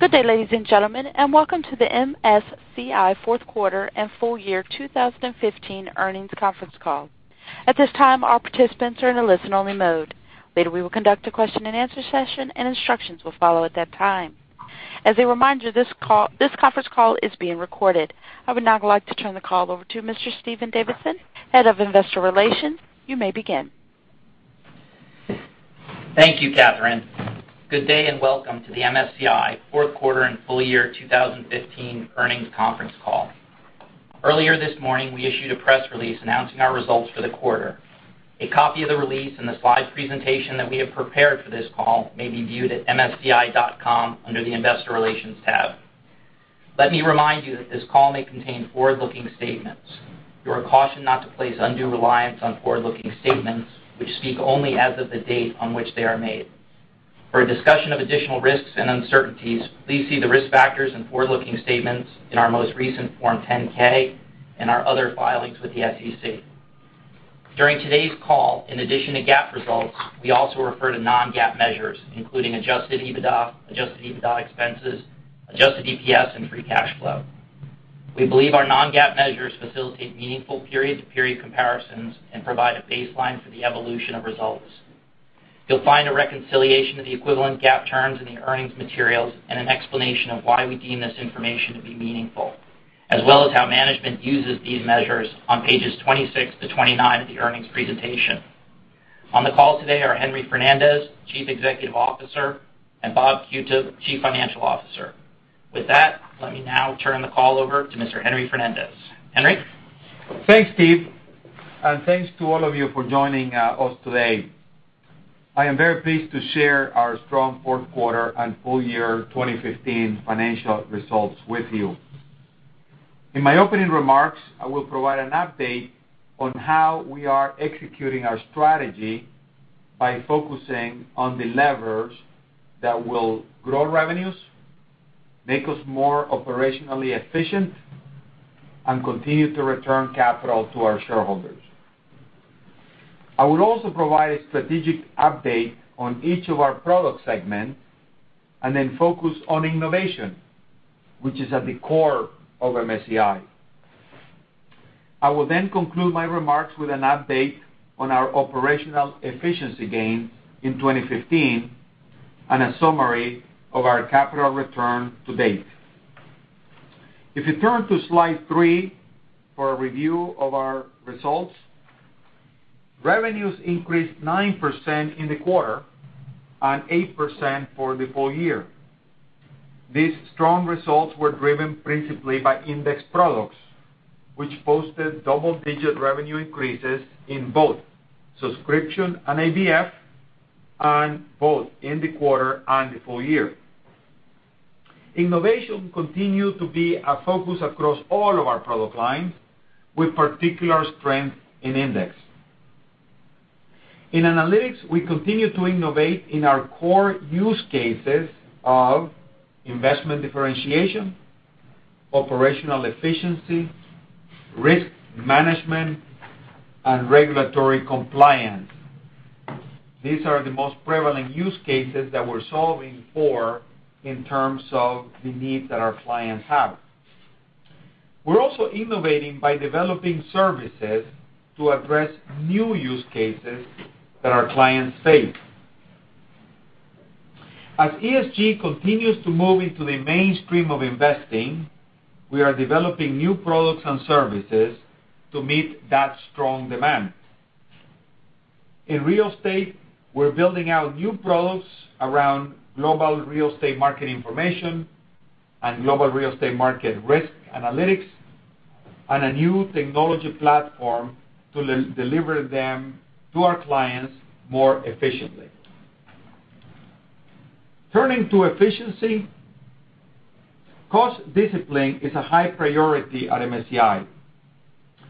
Good day, ladies and gentlemen, and welcome to the MSCI fourth quarter and full year 2015 earnings conference call. At this time, all participants are in a listen-only mode. Later, we will conduct a question-and-answer session, and instructions will follow at that time. As a reminder, this conference call is being recorded. I would now like to turn the call over to Mr. Stephen Davidson, Head of Investor Relations. You may begin. Thank you, Catherine. Good day, welcome to the MSCI fourth quarter and full year 2015 earnings conference call. Earlier this morning, we issued a press release announcing our results for the quarter. A copy of the release and the slide presentation that we have prepared for this call may be viewed at msci.com under the investor relations tab. Let me remind you that this call may contain forward-looking statements. You are cautioned not to place undue reliance on forward-looking statements, which speak only as of the date on which they are made. For a discussion of additional risks and uncertainties, please see the risk factors and forward-looking statements in our most recent Form 10-K and our other filings with the SEC. During today's call, in addition to GAAP results, we also refer to non-GAAP measures, including adjusted EBITDA, adjusted EBITDA expenses, adjusted EPS, and free cash flow. We believe our non-GAAP measures facilitate meaningful period-to-period comparisons and provide a baseline for the evolution of results. You'll find a reconciliation of the equivalent GAAP terms in the earnings materials, an explanation of why we deem this information to be meaningful, as well as how management uses these measures on pages 26 to 29 of the earnings presentation. On the call today are Henry Fernandez, Chief Executive Officer, and Bob Qutub, Chief Financial Officer. With that, let me now turn the call over to Mr. Henry Fernandez. Henry? Thanks, Steve, thanks to all of you for joining us today. I am very pleased to share our strong fourth quarter and full year 2015 financial results with you. In my opening remarks, I will provide an update on how we are executing our strategy by focusing on the levers that will grow revenues, make us more operationally efficient, and continue to return capital to our shareholders. I will also provide a strategic update on each of our product segments then focus on innovation, which is at the core of MSCI. I will then conclude my remarks with an update on our operational efficiency gains in 2015 and a summary of our capital return to date. If you turn to slide three for a review of our results, revenues increased 9% in the quarter and 8% for the full year. These strong results were driven principally by index products, which posted double-digit revenue increases in both subscription and ABF, both in the quarter and the full year. Innovation continued to be a focus across all of our product lines, with particular strength in index. In analytics, we continued to innovate in our core use cases of investment differentiation, operational efficiency, risk management, and regulatory compliance. These are the most prevalent use cases that we're solving for in terms of the needs that our clients have. We're also innovating by developing services to address new use cases that our clients face. As ESG continues to move into the mainstream of investing, we are developing new products and services to meet that strong demand. In real estate, we're building out new products around global real estate market information and global real estate market risk analytics, and a new technology platform to deliver them to our clients more efficiently. Turning to efficiency, cost discipline is a high priority at MSCI.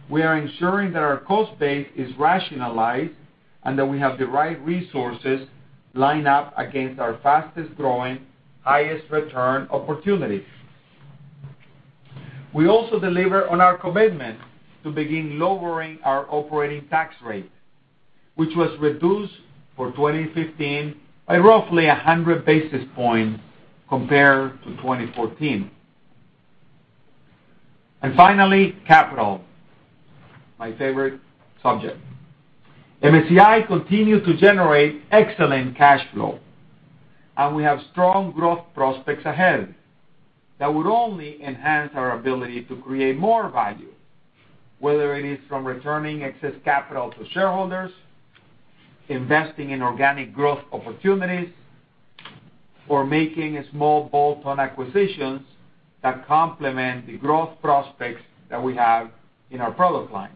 We are ensuring that our cost base is rationalized and that we have the right resources lined up against our fastest-growing, highest-return opportunities. We also deliver on our commitment to begin lowering our operating tax rate, which was reduced for 2015 by roughly 100 basis points compared to 2014. Finally, capital. My favorite subject. MSCI continued to generate excellent cash flow, and we have strong growth prospects ahead that would only enhance our ability to create more value, whether it is from returning excess capital to shareholders, investing in organic growth opportunities, or making small bolt-on acquisitions that complement the growth prospects that we have in our product lines.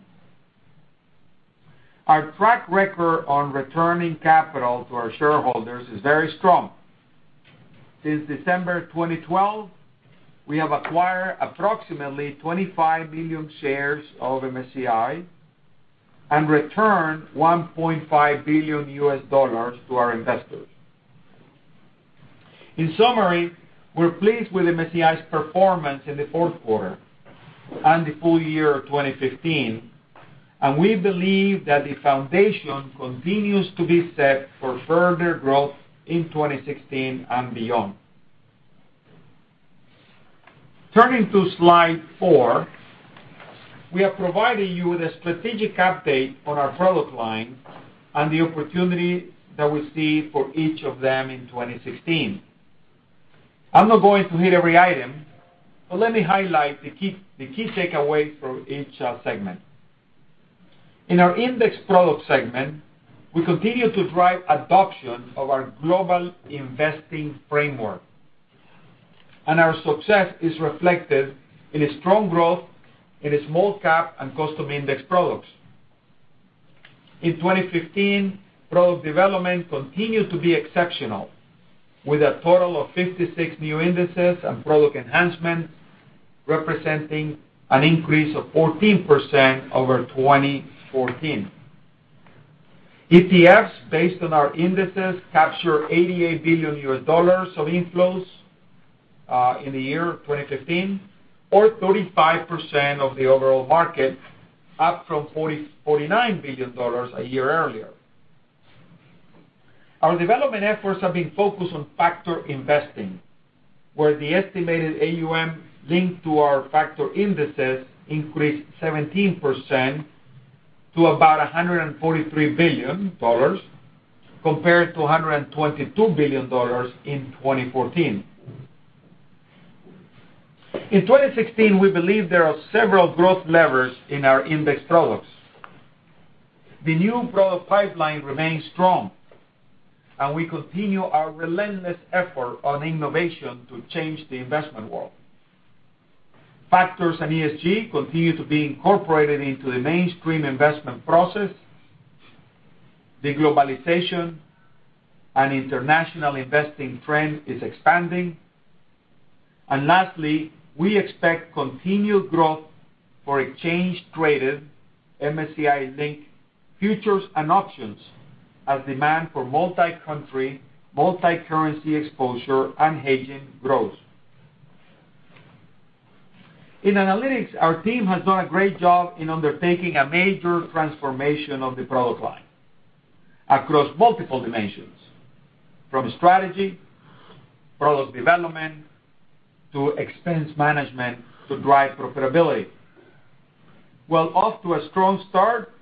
Our track record on returning capital to our shareholders is very strong. Since December 2012, we have acquired approximately 25 million shares of MSCI and returned $1.5 billion to our investors. In summary, we're pleased with MSCI's performance in the fourth quarter and the full year of 2015. We believe that the foundation continues to be set for further growth in 2016 and beyond. Turning to slide four, we are providing you with a strategic update on our product line and the opportunity that we see for each of them in 2016. I'm not going to hit every item, let me highlight the key takeaways for each segment. In our index product segment, we continue to drive adoption of our global investing framework, and our success is reflected in a strong growth in the small cap and custom index products. In 2015, product development continued to be exceptional, with a total of 56 new indices and product enhancements, representing an increase of 14% over 2014. ETFs based on our indices capture $88 billion of inflows in the year 2015, or 35% of the overall market, up from $49 billion a year earlier. Our development efforts have been focused on factor investing, where the estimated AUM linked to our factor indices increased 17% to about $143 billion, compared to $122 billion in 2014. In 2016, we believe there are several growth levers in our index products. The new product pipeline remains strong, and we continue our relentless effort on innovation to change the investment world. Factors and ESG continue to be incorporated into the mainstream investment process. The globalization and international investing trend is expanding. Lastly, we expect continued growth for exchange-traded MSCI index futures and options as demand for multi-country, multi-currency exposure and hedging grows. In analytics, our team has done a great job in undertaking a major transformation of the product line across multiple dimensions, from strategy, product development, to expense management to drive profitability. Well off to a strong start,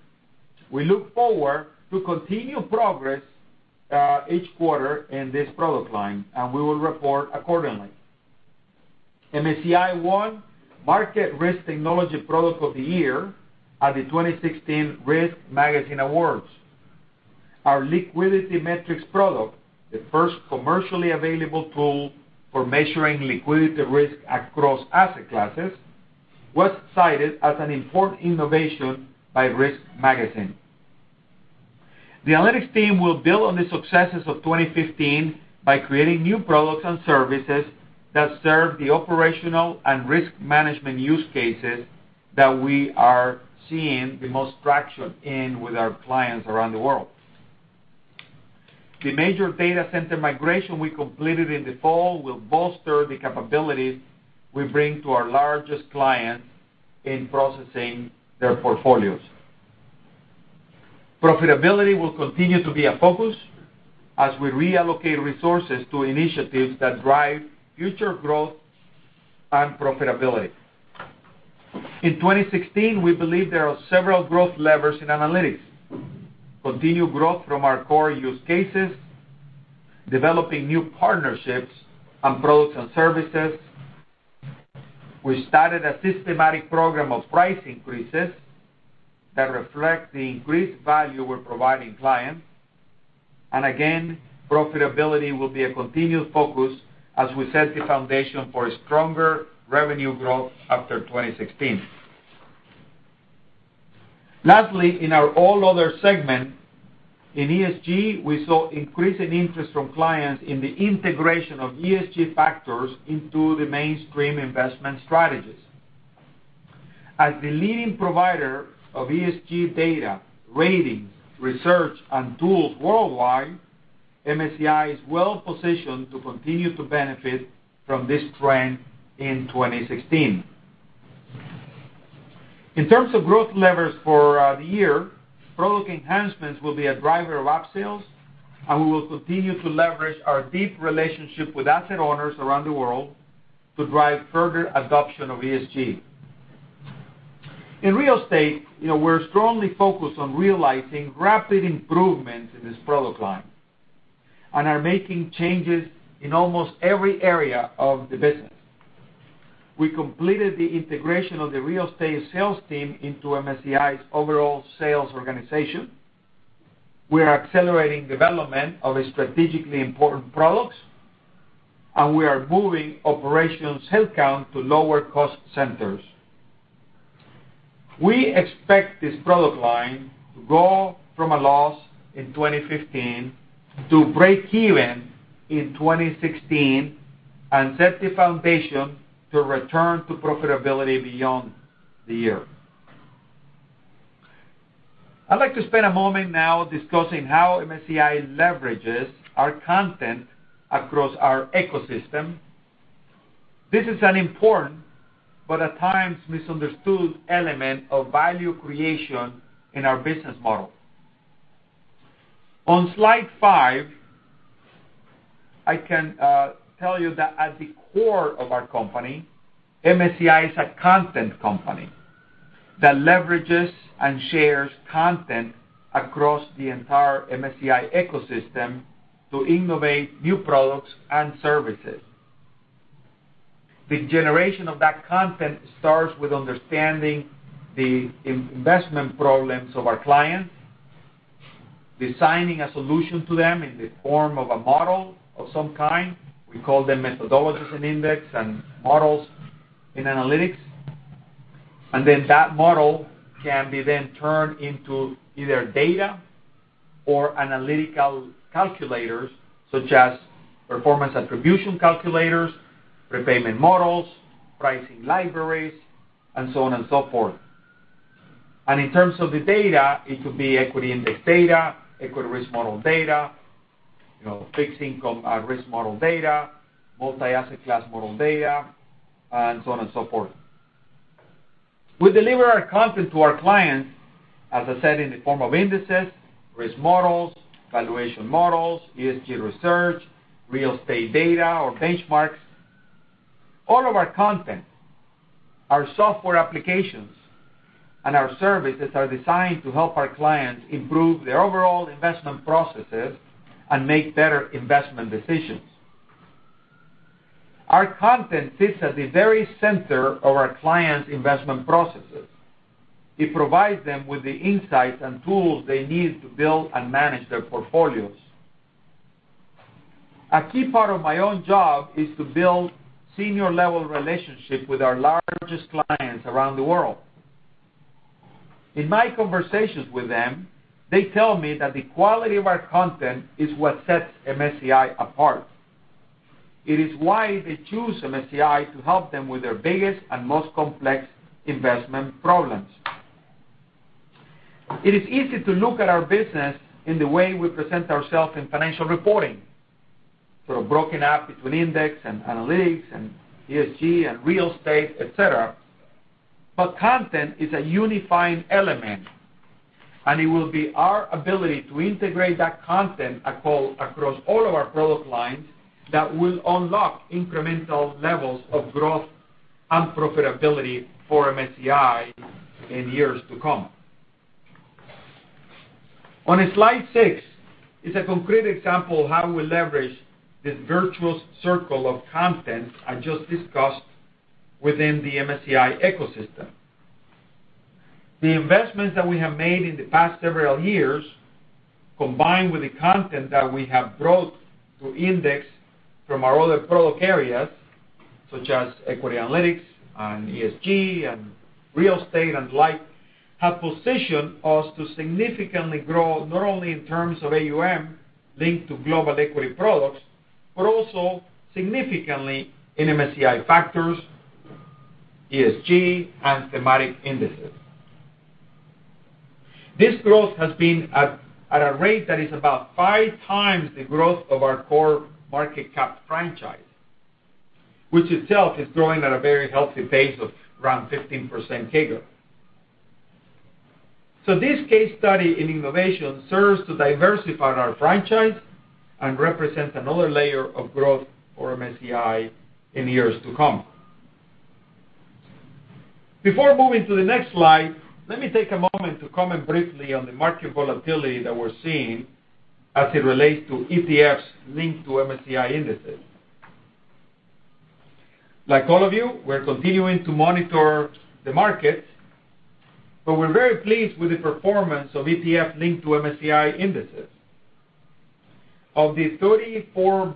we look forward to continued progress each quarter in this product line, and we will report accordingly. MSCI won Market Risk Technology Product of the Year at the 2016 Risk Magazine Awards. Our LiquidityMetrics product, the first commercially available tool for measuring liquidity risk across asset classes, was cited as an important innovation by Risk Magazine. The analytics team will build on the successes of 2015 by creating new products and services that serve the operational and risk management use cases that we are seeing the most traction in with our clients around the world. The major data center migration we completed in the fall will bolster the capabilities we bring to our largest clients in processing their portfolios. Profitability will continue to be a focus as we reallocate resources to initiatives that drive future growth and profitability. In 2016, we believe there are several growth levers in analytics. Continued growth from our core use cases, developing new partnerships and products and services. We started a systematic program of price increases that reflect the increased value we're providing clients. Again, profitability will be a continued focus as we set the foundation for stronger revenue growth after 2016. Lastly, in our All Other segment, in ESG, we saw increasing interest from clients in the integration of ESG factors into the mainstream investment strategies. As the leading provider of ESG data, ratings, research, and tools worldwide, MSCI is well positioned to continue to benefit from this trend in 2016. In terms of growth levers for the year, product enhancements will be a driver of upsells, and we will continue to leverage our deep relationship with asset owners around the world to drive further adoption of ESG. In real estate, we're strongly focused on realizing rapid improvements in this product line and are making changes in almost every area of the business. We completed the integration of the real estate sales team into MSCI's overall sales organization. We are accelerating development of strategically important products, and we are moving operations headcount to lower cost centers. We expect this product line to go from a loss in 2015 to breakeven in 2016 and set the foundation to return to profitability beyond the year. I'd like to spend a moment now discussing how MSCI leverages our content across our ecosystem. This is an important, but at times misunderstood element of value creation in our business model. On slide five, I can tell you that at the core of our company, MSCI is a content company that leverages and shares content across the entire MSCI ecosystem to innovate new products and services. The generation of that content starts with understanding the investment problems of our clients, designing a solution to them in the form of a model of some kind, we call them methodologies in index and models in analytics. That model can be then turned into either data or analytical calculators, such as performance attribution calculators, prepayment models, pricing libraries, and so on and so forth. In terms of the data, it could be equity index data, equity risk model data, fixed income risk model data, multi-asset class model data, and so on and so forth. We deliver our content to our clients, as I said, in the form of indices, risk models, valuation models, ESG research, real estate data or benchmarks. All of our content, our software applications, and our services are designed to help our clients improve their overall investment processes and make better investment decisions. Our content sits at the very center of our clients' investment processes. It provides them with the insights and tools they need to build and manage their portfolios. A key part of my own job is to build senior-level relationships with our largest clients around the world. In my conversations with them, they tell me that the quality of our content is what sets MSCI apart. It is why they choose MSCI to help them with their biggest and most complex investment problems. It is easy to look at our business in the way we present ourselves in financial reporting, sort of broken up between index and analytics and ESG and real estate, et cetera. Content is a unifying element, and it will be our ability to integrate that content across all of our product lines that will unlock incremental levels of growth and profitability for MSCI in years to come. On slide six is a concrete example of how we leverage this virtuous circle of content I just discussed within the MSCI ecosystem. The investments that we have made in the past several years, combined with the content that we have brought to index from our other product areas, such as equity analytics and ESG and real estate and the like, have positioned us to significantly grow, not only in terms of AUM linked to global equity products, but also significantly in MSCI factors, ESG, and thematic indices. This growth has been at a rate that is about five times the growth of our core market cap franchise, which itself is growing at a very healthy pace of around 15% CAGR. This case study in innovation serves to diversify our franchise and represents another layer of growth for MSCI in years to come. Before moving to the next slide, let me take a moment to comment briefly on the market volatility that we're seeing as it relates to ETFs linked to MSCI indices. Like all of you, we're continuing to monitor the markets, but we're very pleased with the performance of ETF linked to MSCI indices. Of the $34+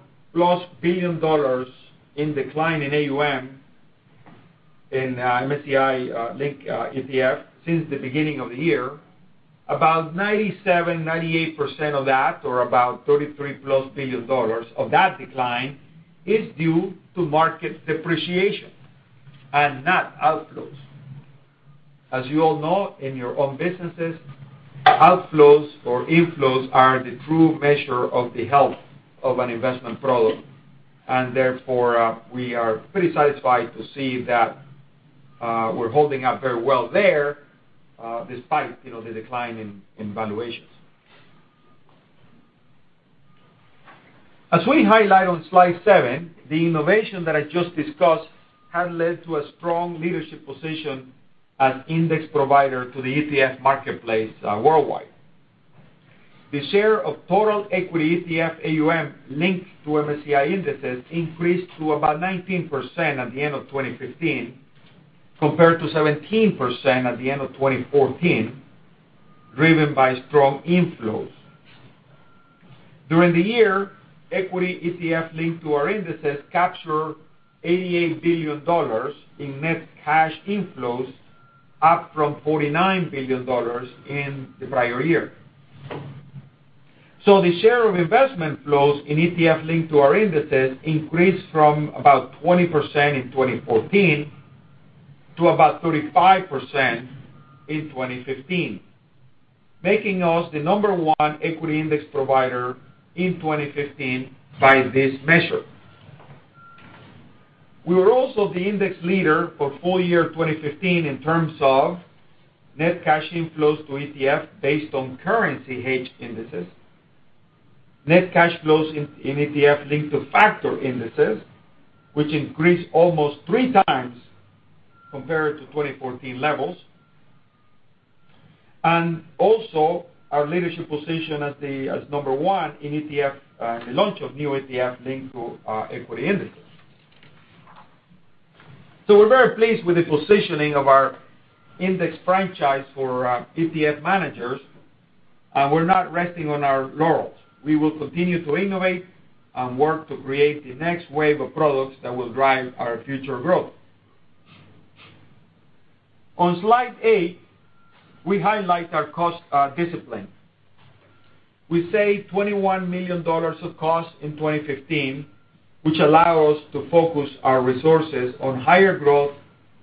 billion in decline in AUM in MSCI-linked ETF since the beginning of the year, about 97%, 98% of that, or about $33+ billion of that decline, is due to market depreciation and not outflows. As you all know in your own businesses, outflows or inflows are the true measure of the health of an investment product, and therefore, we are pretty satisfied to see that we're holding up very well there, despite the decline in valuations. As we highlight on slide seven, the innovation that I just discussed had led to a strong leadership position as index provider to the ETF marketplace worldwide. The share of total equity ETF AUM linked to MSCI indices increased to about 19% at the end of 2015, compared to 17% at the end of 2014, driven by strong inflows. During the year, equity ETF linked to our indices captured $88 billion in net cash inflows, up from $49 billion in the prior year. The share of investment flows in ETF linked to our indices increased from about 20% in 2014 to about 35% in 2015, making us the number one equity index provider in 2015 by this measure. We were also the index leader for full year 2015 in terms of net cash inflows to ETF based on currency hedge indices, net cash flows in ETF linked to factor indices, which increased almost three times compared to 2014 levels. Also our leadership position as number one in ETF and the launch of new ETF linked to equity indices. We're very pleased with the positioning of our index franchise for ETF managers, and we're not resting on our laurels. We will continue to innovate and work to create the next wave of products that will drive our future growth. On slide eight, we highlight our cost discipline. We saved $21 million of costs in 2015, which allow us to focus our resources on higher growth,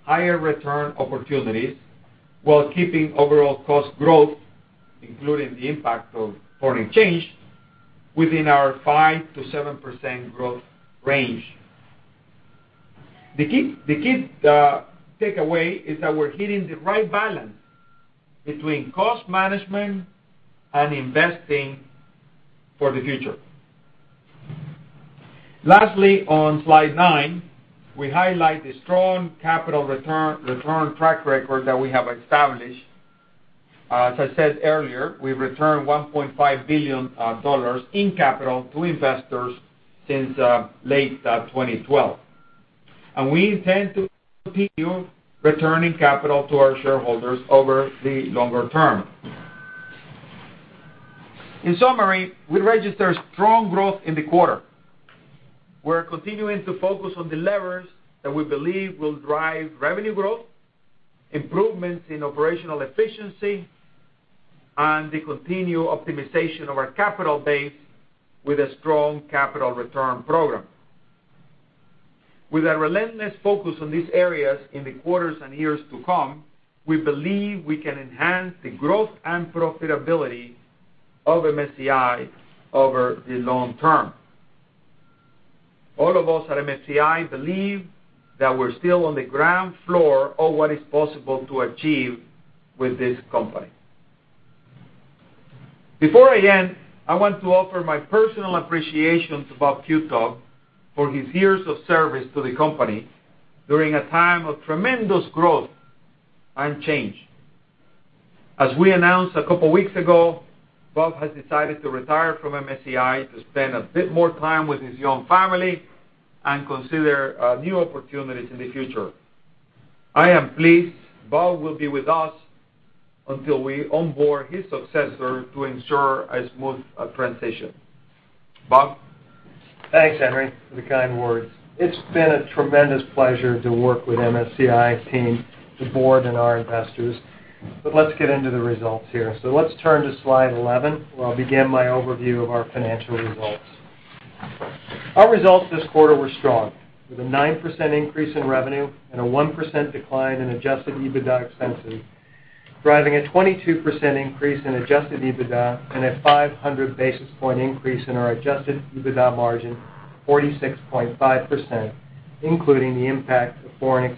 higher return opportunities, while keeping overall cost growth, including the impact of foreign exchange, within our 5%-7% growth range. The key takeaway is that we're hitting the right balance between cost management and investing for the future. Lastly, on slide nine, we highlight the strong capital return track record that we have established. As I said earlier, we returned $1.5 billion in capital to investors since late 2012, and we intend to continue returning capital to our shareholders over the longer term. In summary, we registered strong growth in the quarter. We're continuing to focus on the levers that we believe will drive revenue growth, improvements in operational efficiency, and the continued optimization of our capital base with a strong capital return program. With a relentless focus on these areas in the quarters and years to come, we believe we can enhance the growth and profitability of MSCI over the long term. All of us at MSCI believe that we're still on the ground floor of what is possible to achieve with this company. Before I end, I want to offer my personal appreciation to Bob Qutub for his years of service to the company during a time of tremendous growth and change. As we announced a couple weeks ago, Bob has decided to retire from MSCI to spend a bit more time with his young family and consider new opportunities in the future. I am pleased Bob will be with us until we onboard his successor to ensure a smooth transition. Bob? Thanks, Henry, for the kind words. It's been a tremendous pleasure to work with MSCI team, the board, and our investors. Let's get into the results here. Let's turn to slide 11, where I'll begin my overview of our financial results. Our results this quarter were strong, with a 9% increase in revenue and a 1% decline in adjusted EBITDA expenses, driving a 22% increase in adjusted EBITDA and a 500 basis point increase in our adjusted EBITDA margin to 46.5%, including the impact of foreign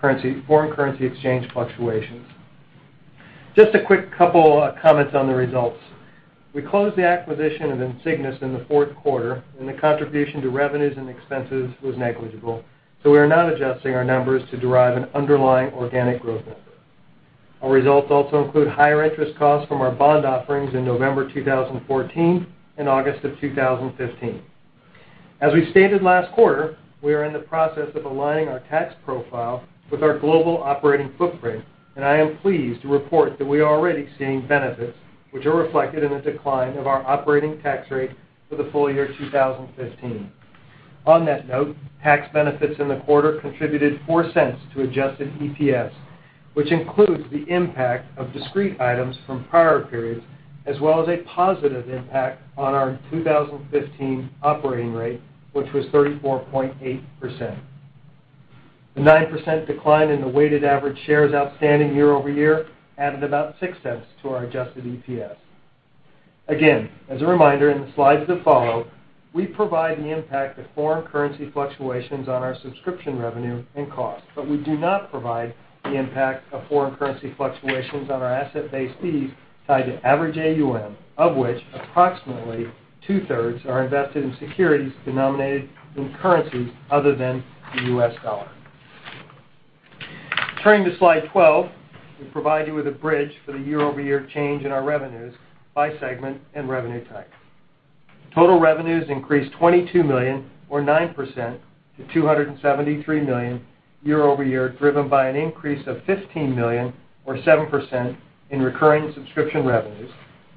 currency exchange fluctuations. Just a quick couple comments on the results. We closed the acquisition of Insignis in the fourth quarter, and the contribution to revenues and expenses was negligible, so we are not adjusting our numbers to derive an underlying organic growth number. Our results also include higher interest costs from our bond offerings in November 2014 and August of 2015. As we stated last quarter, we are in the process of aligning our tax profile with our global operating footprint, and I am pleased to report that we are already seeing benefits, which are reflected in a decline of our operating tax rate for the full year 2015. On that note, tax benefits in the quarter contributed $0.04 to adjusted EPS, which includes the impact of discrete items from prior periods, as well as a positive impact on our 2015 operating rate, which was 34.8%. The 9% decline in the weighted average shares outstanding year-over-year added about $0.06 to our adjusted EPS. Again, as a reminder, in the slides that follow, we provide the impact of foreign currency fluctuations on our subscription revenue and cost, but we do not provide the impact of foreign currency fluctuations on our asset-based fees tied to average AUM, of which approximately two-thirds are invested in securities denominated in currencies other than the U.S. dollar. Turning to slide 12, we provide you with a bridge for the year-over-year change in our revenues by segment and revenue type. Total revenues increased $22 million, or 9%, to $273 million year-over-year, driven by an increase of $15 million, or 7%, in recurring subscription revenues,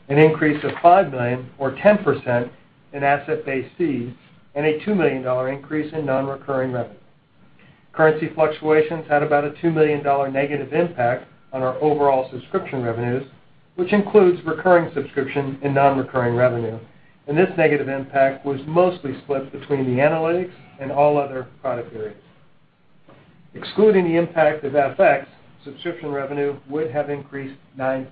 an increase of $5 million, or 10%, in asset-based fees, and a $2 million increase in non-recurring revenue. Currency fluctuations had about a $2 million negative impact on our overall subscription revenues, which includes recurring subscription and non-recurring revenue. This negative impact was mostly split between the analytics and all other product areas. Excluding the impact of FX, subscription revenue would have increased 9%.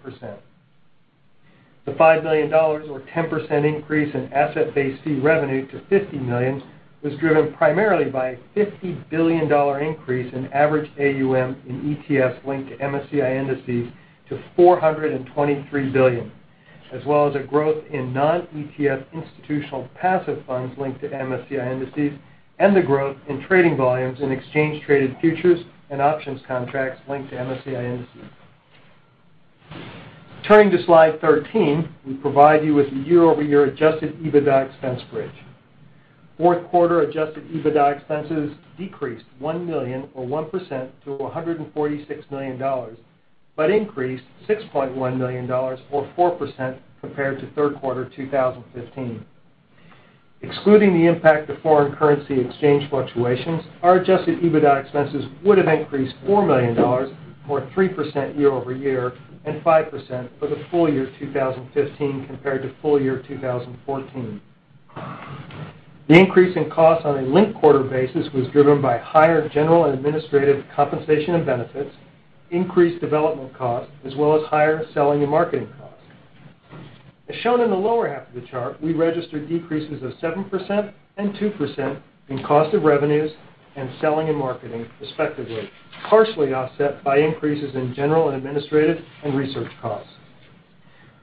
The $5 million, or 10% increase in asset-based fee revenue to $50 million was driven primarily by a $50 billion increase in average AUM in ETFs linked to MSCI indices to $423 billion, as well as a growth in non-ETF institutional passive funds linked to MSCI indices, and the growth in trading volumes in exchange-traded futures and options contracts linked to MSCI indices. Turning to slide 13, we provide you with a year-over-year adjusted EBITDA expense bridge. Fourth quarter adjusted EBITDA expenses decreased $1 million, or 1%, to $146 million, but increased $6.1 million or 4% compared to third quarter 2015. Excluding the impact of foreign currency exchange fluctuations, our adjusted EBITDA expenses would have increased $4 million or 3% year-over-year and 5% for the full year 2015 compared to full year 2014. The increase in costs on a linked quarter basis was driven by higher general and administrative compensation and benefits, increased development costs, as well as higher selling and marketing costs. As shown in the lower half of the chart, we registered decreases of 7% and 2% in cost of revenues and selling and marketing, respectively, partially offset by increases in general and administrative and research costs.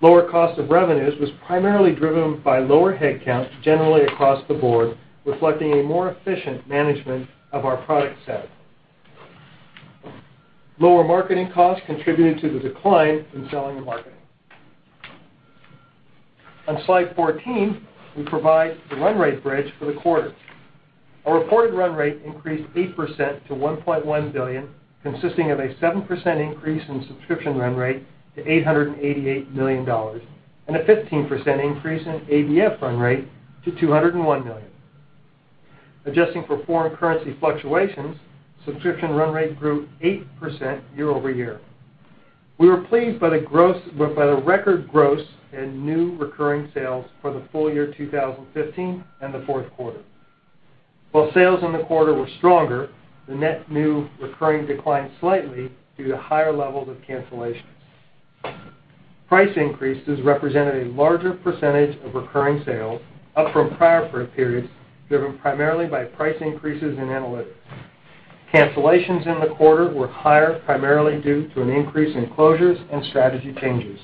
Lower cost of revenues was primarily driven by lower headcount generally across the board, reflecting a more efficient management of our product set. Lower marketing costs contributed to the decline in selling and marketing. On slide 14, we provide the run rate bridge for the quarter. Our reported run rate increased 8% to $1.1 billion, consisting of a 7% increase in subscription run rate to $888 million and a 15% increase in ABF run rate to $201 million. Adjusting for foreign currency fluctuations, subscription run rate grew 8% year-over-year. We were pleased by the record gross and new recurring sales for the full year 2015 and the fourth quarter. While sales in the quarter were stronger, the net new recurring declined slightly due to higher levels of cancellations. Price increases represented a larger percentage of recurring sales up from prior periods, driven primarily by price increases in analytics. Cancellations in the quarter were higher, primarily due to an increase in closures and strategy changes.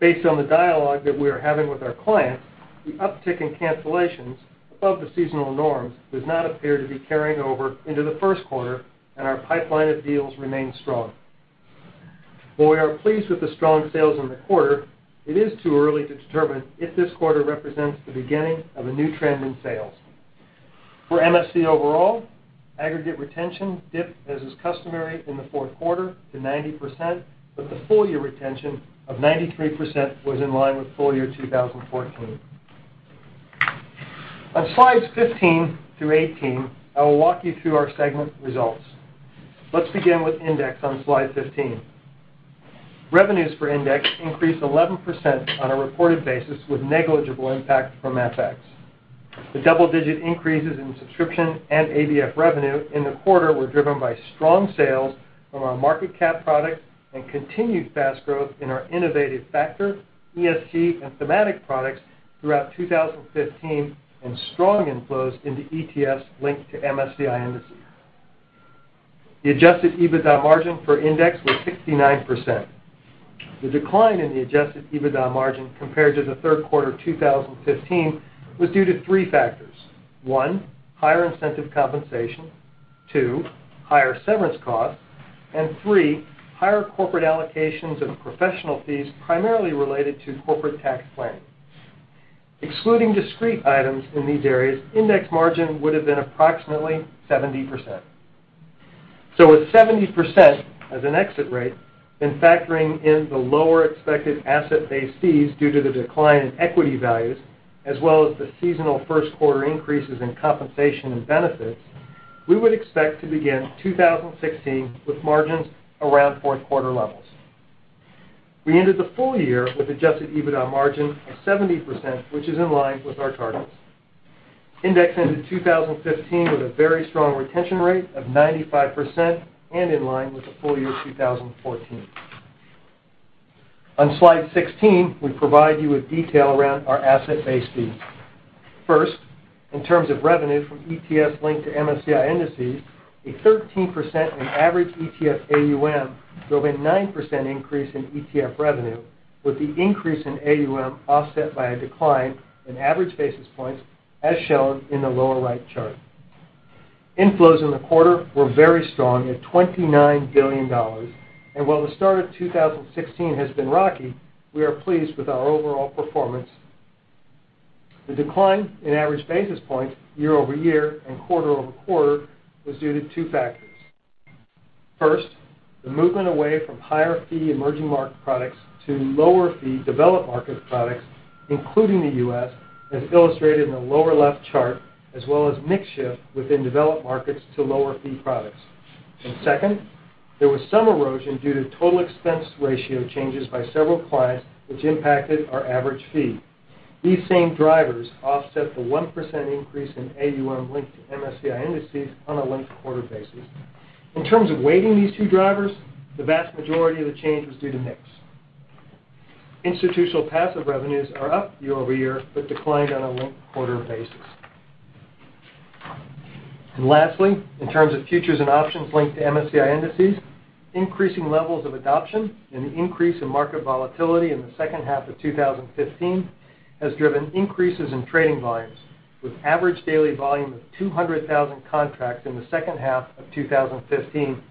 Based on the dialogue that we are having with our clients, the uptick in cancellations above the seasonal norms does not appear to be carrying over into the first quarter. Our pipeline of deals remains strong. While we are pleased with the strong sales in the quarter, it is too early to determine if this quarter represents the beginning of a new trend in sales. For MSCI overall, aggregate retention dipped as is customary in the fourth quarter to 90%, but the full-year retention of 93% was in line with full year 2014. On slides 15 through 18, I will walk you through our segment results. Let's begin with index on slide 15. Revenues for index increased 11% on a reported basis with negligible impact from FX. The double-digit increases in subscription and ABF revenue in the quarter were driven by strong sales from our market cap product and continued fast growth in our innovative factor, ESG, and thematic products throughout 2015 and strong inflows into ETFs linked to MSCI indices. The adjusted EBITDA margin for index was 69%. The decline in the adjusted EBITDA margin compared to the third quarter 2015 was due to three factors. One, higher incentive compensation, two, higher severance costs, and three, higher corporate allocations of professional fees primarily related to corporate tax planning. Excluding discrete items in these areas, index margin would have been approximately 70%. With 70% as an exit rate, and factoring in the lower expected asset-based fees due to the decline in equity values, as well as the seasonal first-quarter increases in compensation and benefits, we would expect to begin 2016 with margins around fourth-quarter levels. We ended the full year with adjusted EBITDA margin of 70%, which is in line with our targets. Index ended 2015 with a very strong retention rate of 95%, in line with the full year 2014. On slide 16, we provide you with detail around our asset-based fees. First, in terms of revenue from ETFs linked to MSCI indices, a 13% in average ETF AUM drove a 9% increase in ETF revenue, with the increase in AUM offset by a decline in average basis points, as shown in the lower right chart. Inflows in the quarter were very strong at $29 billion. While the start of 2016 has been rocky, we are pleased with our overall performance. The decline in average basis points year-over-year and quarter-over-quarter was due to two factors. First, the movement away from higher-fee emerging market products to lower-fee developed market products, including the U.S., as illustrated in the lower left chart, as well as mix shift within developed markets to lower-fee products. Second, there was some erosion due to total expense ratio changes by several clients, which impacted our average fee. These same drivers offset the 1% increase in AUM linked to MSCI indices on a linked-quarter basis. In terms of weighting these two drivers, the vast majority of the change was due to mix. Institutional passive revenues are up year-over-year but declined on a linked-quarter basis. Lastly, in terms of futures and options linked to MSCI indices, increasing levels of adoption and the increase in market volatility in the second half of 2015 has driven increases in trading volumes with average daily volume of 200,000 contracts in the second half of 2015.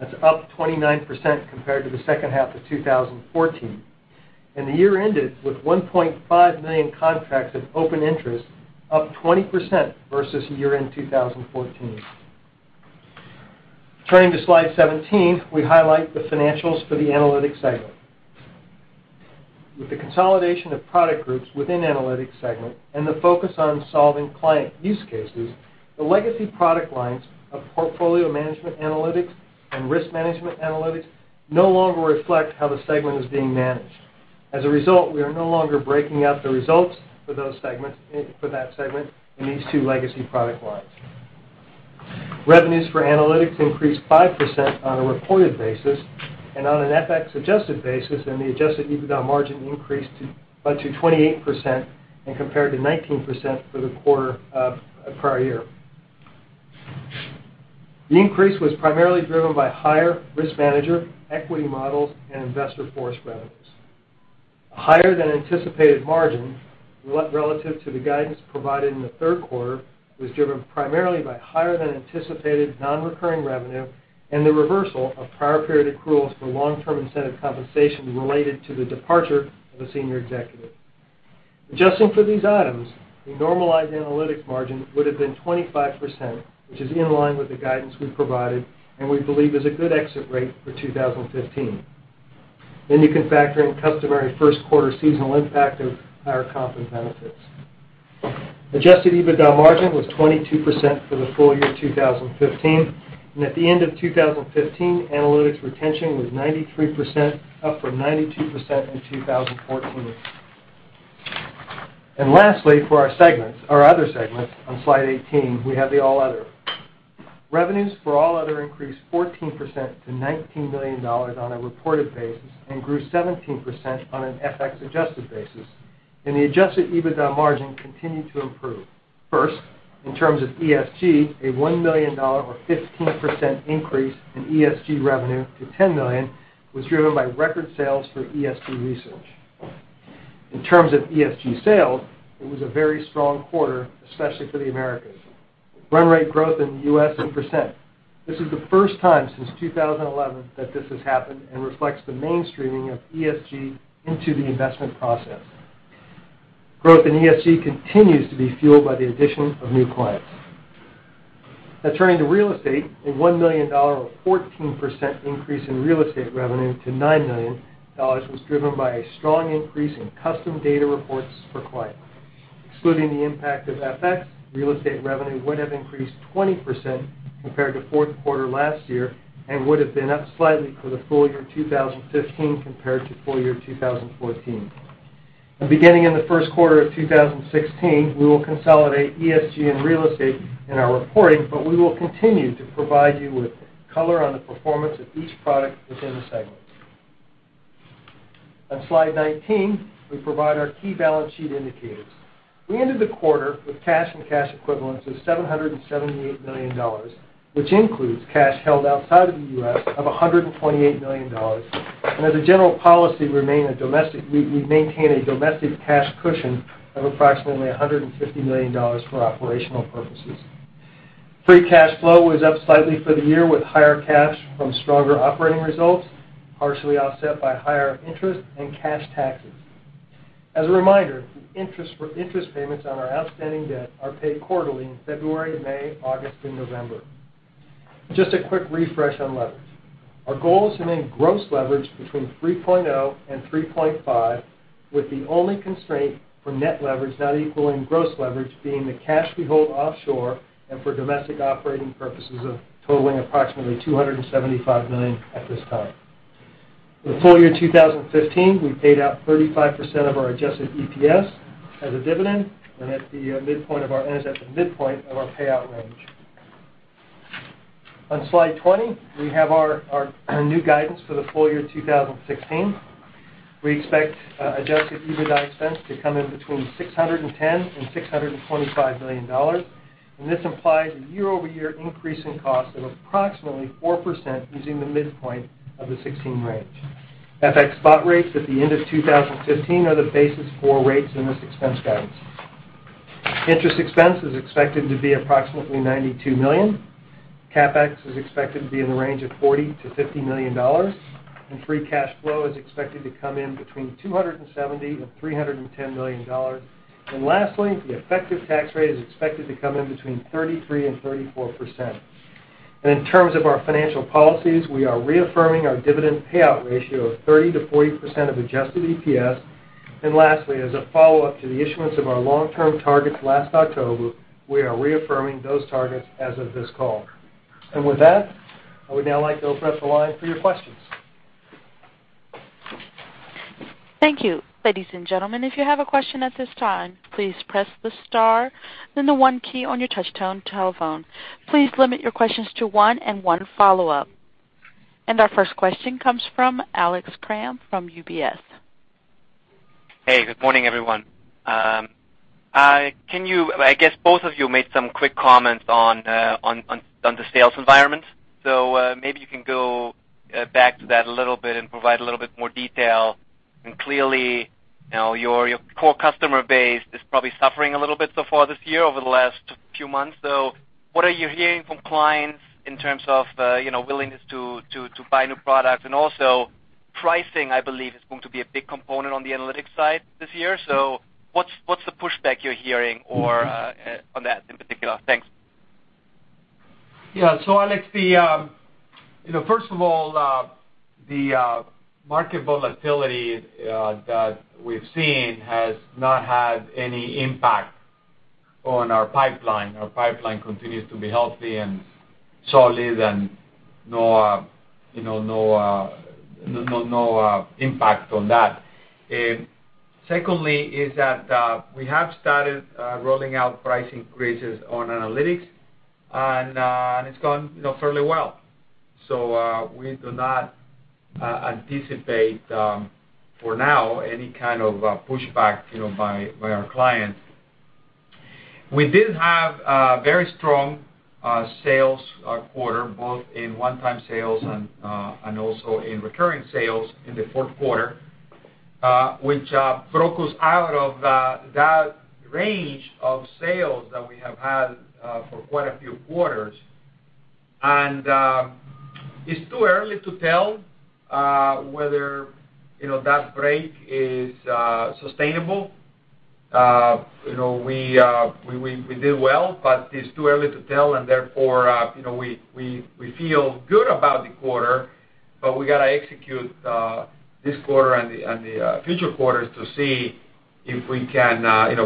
That's up 29% compared to the second half of 2014. The year ended with 1.5 million contracts of open interest, up 20% versus year-end 2014. Turning to slide 17, we highlight the financials for the Analytics segment. With the consolidation of product groups within Analytics segment and the focus on solving client use cases, the legacy product lines of portfolio management analytics and risk management analytics no longer reflect how the segment is being managed. As a result, we are no longer breaking out the results for that segment in these two legacy product lines. Revenues for Analytics increased 5% on a reported basis and on an FX-adjusted basis, and the adjusted EBITDA margin increased to 28% compared to 19% for the quarter of prior year. The increase was primarily driven by higher RiskManager equity models and InvestorForce revenues. A higher than anticipated margin relative to the guidance provided in the third quarter was driven primarily by higher than anticipated non-recurring revenue and the reversal of prior period accruals for long-term incentive compensation related to the departure of a senior executive. Adjusting for these items, the normalized Analytics margin would have been 25%, which is in line with the guidance we provided and we believe is a good exit rate for 2015. You can factor in customary first quarter seasonal impact of higher comp and benefits. Adjusted EBITDA margin was 22% for the full year 2015, and at the end of 2015, Analytics retention was 93%, up from 92% in 2014. Lastly, for our other segments, on slide 18, we have the all other. Revenues for all other increased 14% to $19 million on a reported basis and grew 17% on an FX adjusted basis. The adjusted EBITDA margin continued to improve. First, in terms of ESG, a $1 million or 15% increase in ESG revenue to $10 million was driven by record sales for ESG research. In terms of ESG sales, it was a very strong quarter, especially for the Americas. Run rate growth in the U.S. of percent. This is the first time since 2011 that this has happened and reflects the mainstreaming of ESG into the investment process. Growth in ESG continues to be fueled by the addition of new clients. Now turning to real estate, a $1 million or 14% increase in real estate revenue to $9 million was driven by a strong increase in custom data reports for clients. Excluding the impact of FX, real estate revenue would have increased 20% compared to fourth quarter last year and would have been up slightly for the full year 2015 compared to full year 2014. Beginning in the first quarter of 2016, we will consolidate ESG and real estate in our reporting, but we will continue to provide you with color on the performance of each product within the segments. On slide 19, we provide our key balance sheet indicators. We ended the quarter with cash and cash equivalents of $778 million, which includes cash held outside of the U.S. of $128 million. As a general policy, we maintain a domestic cash cushion of approximately $150 million for operational purposes. Free cash flow was up slightly for the year with higher cash from stronger operating results, partially offset by higher interest and cash taxes. As a reminder, the interest payments on our outstanding debt are paid quarterly in February, May, August, and November. Just a quick refresh on leverage. Our goal is to make gross leverage between 3.0 and 3.5, with the only constraint for net leverage not equaling gross leverage being the cash we hold offshore and for domestic operating purposes totaling approximately $275 million at this time. For the full year 2015, we paid out 35% of our adjusted EPS as a dividend. That's at the midpoint of our payout range. On slide 20, we have our new guidance for the full year 2016. We expect adjusted EBITDA expense to come in between $610 million-$625 million. This implies a year-over-year increase in cost of approximately 4% using the midpoint of the 2016 range. FX spot rates at the end of 2015 are the basis for rates in this expense guidance. Interest expense is expected to be approximately $92 million. CapEx is expected to be in the range of $40 million-$50 million. Free cash flow is expected to come in between $270 million-$310 million. Lastly, the effective tax rate is expected to come in between 33%-34%. In terms of our financial policies, we are reaffirming our dividend payout ratio of 30%-40% of adjusted EPS. Lastly, as a follow-up to the issuance of our long-term targets last October, we are reaffirming those targets as of this call. With that, I would now like to open up the line for your questions. Thank you. Ladies and gentlemen, if you have a question at this time, please press the star, then the one key on your touch tone telephone. Please limit your questions to one and one follow-up. Our first question comes from Alex Kramm from UBS. Hey, good morning, everyone. I guess both of you made some quick comments on the sales environment. Maybe you can go back to that a little bit and provide a little bit more detail. Clearly, your core customer base is probably suffering a little bit so far this year over the last few months. What are you hearing from clients in terms of willingness to buy new products? Also pricing, I believe, is going to be a big component on the analytics side this year. What's the pushback you're hearing on that in particular? Thanks. Yeah. Alex, first of all, the market volatility that we've seen has not had any impact on our pipeline. Our pipeline continues to be healthy and solid and no impact on that. Secondly, is that we have started rolling out price increases on analytics, and it's gone fairly well. We do not anticipate for now any kind of pushback by our clients. We did have a very strong sales quarter, both in one-time sales and also in recurring sales in the fourth quarter, which broke us out of that range of sales that we have had for quite a few quarters. It's too early to tell whether that break is sustainable. We did well, but it's too early to tell, and therefore we feel good about the quarter, but we got to execute this quarter and the future quarters to see if we can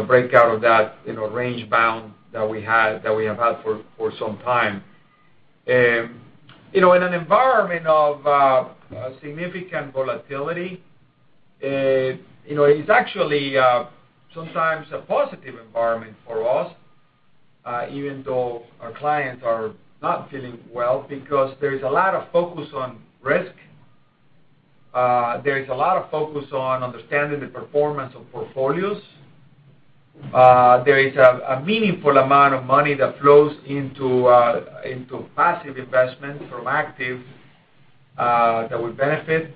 break out of that range-bound that we have had for some time. In an environment of significant volatility, it's actually sometimes a positive environment for us, even though our clients are not feeling well, because there's a lot of focus on risk. There is a lot of focus on understanding the performance of portfolios. There is a meaningful amount of money that flows into passive investment from active that would benefit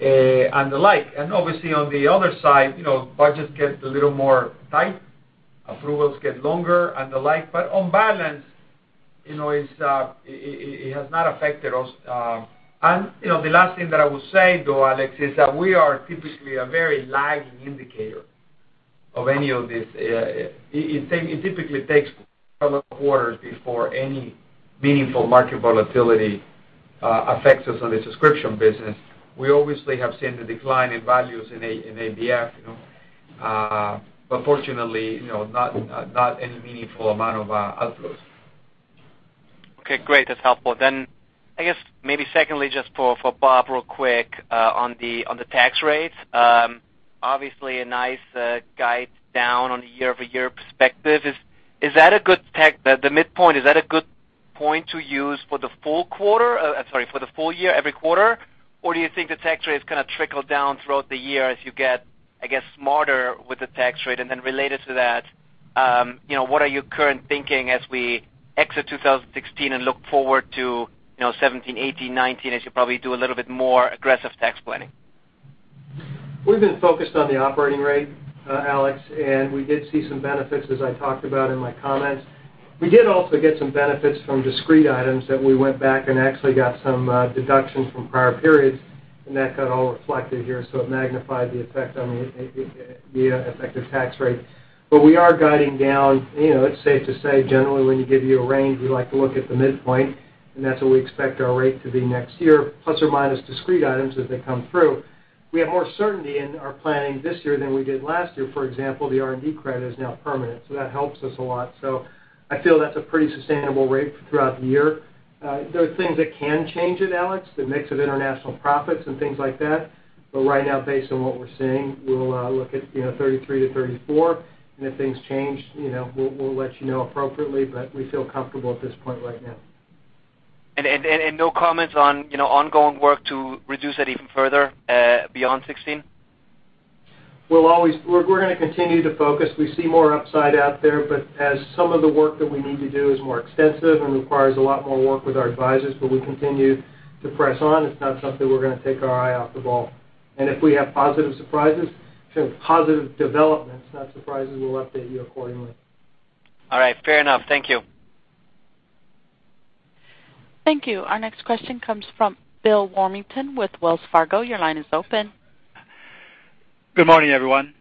and the like. Obviously on the other side, budgets get a little more tight, approvals get longer and the like. On balance, it has not affected us. The last thing that I will say though, Alex, is that we are typically a very lagging indicator of any of this. It typically takes a couple of quarters before any meaningful market volatility affects us on the subscription business. We obviously have seen the decline in values in ABF, but fortunately not any meaningful amount of outflows. Okay, great. That's helpful. I guess maybe secondly, just for Bob real quick, on the tax rates. Obviously a nice guide down on a year-over-year perspective. The midpoint, is that a good point to use for the full year, every quarter? Or do you think the tax rate is going to trickle down throughout the year as you get, I guess, smarter with the tax rate? Then related to that, what are your current thinking as we exit 2016 and look forward to 2017, 2018, 2019, as you probably do a little bit more aggressive tax planning? We've been focused on the operating rate, Alex, and we did see some benefits, as I talked about in my comments. We did also get some benefits from discrete items that we went back and actually got some deductions from prior periods, and that got all reflected here, so it magnified the effect on the effective tax rate. We are guiding down. It's safe to say, generally, when you give you a range, we like to look at the midpoint, and that's what we expect our rate to be next year, plus or minus discrete items as they come through. We have more certainty in our planning this year than we did last year. For example, the R&D credit is now permanent, so that helps us a lot. I feel that's a pretty sustainable rate throughout the year. There are things that can change it, Alex, the mix of international profits and things like that. Right now, based on what we're seeing, we'll look at 33%-34%, and if things change, we'll let you know appropriately. We feel comfortable at this point right now. No comments on ongoing work to reduce that even further beyond 2016? We're going to continue to focus. We see more upside out there, but as some of the work that we need to do is more extensive and requires a lot more work with our advisors, we continue to press on. It's not something we're going to take our eye off the ball. If we have positive surprises, positive developments, not surprises, we'll update you accordingly. All right. Fair enough. Thank you. Thank you. Our next question comes from Bill Warmington with Wells Fargo. Your line is open. Good morning, everyone.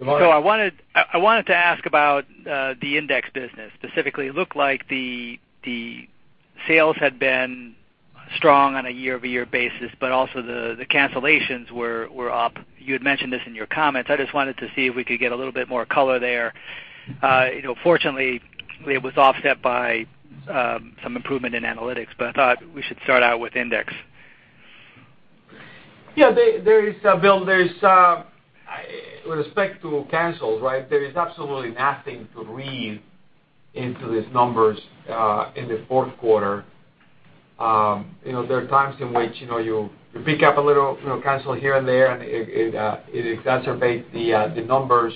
I wanted to ask about the Index business specifically. It looked like the sales had been strong on a year-over-year basis, but also the cancellations were up. You had mentioned this in your comments. I just wanted to see if we could get a little bit more color there. Fortunately, it was offset by some improvement in Analytics, but I thought we should start out with Index. Yeah. Bill, with respect to cancels, right? There is absolutely nothing to read into these numbers in the fourth quarter. There are times in which you pick up a little cancel here and there, and it exacerbates the numbers.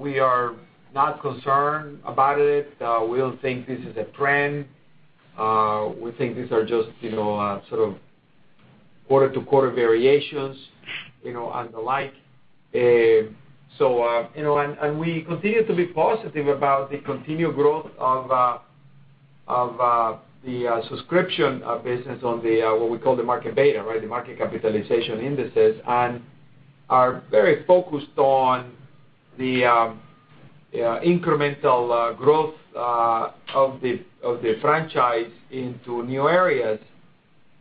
We are not concerned about it. We do not think this is a trend. We think these are just sort of quarter-to-quarter variations and the like. We continue to be positive about the continued growth of the subscription business on the, what we call the market beta, right? The market capitalization indices, and are very focused on the incremental growth of the franchise into new areas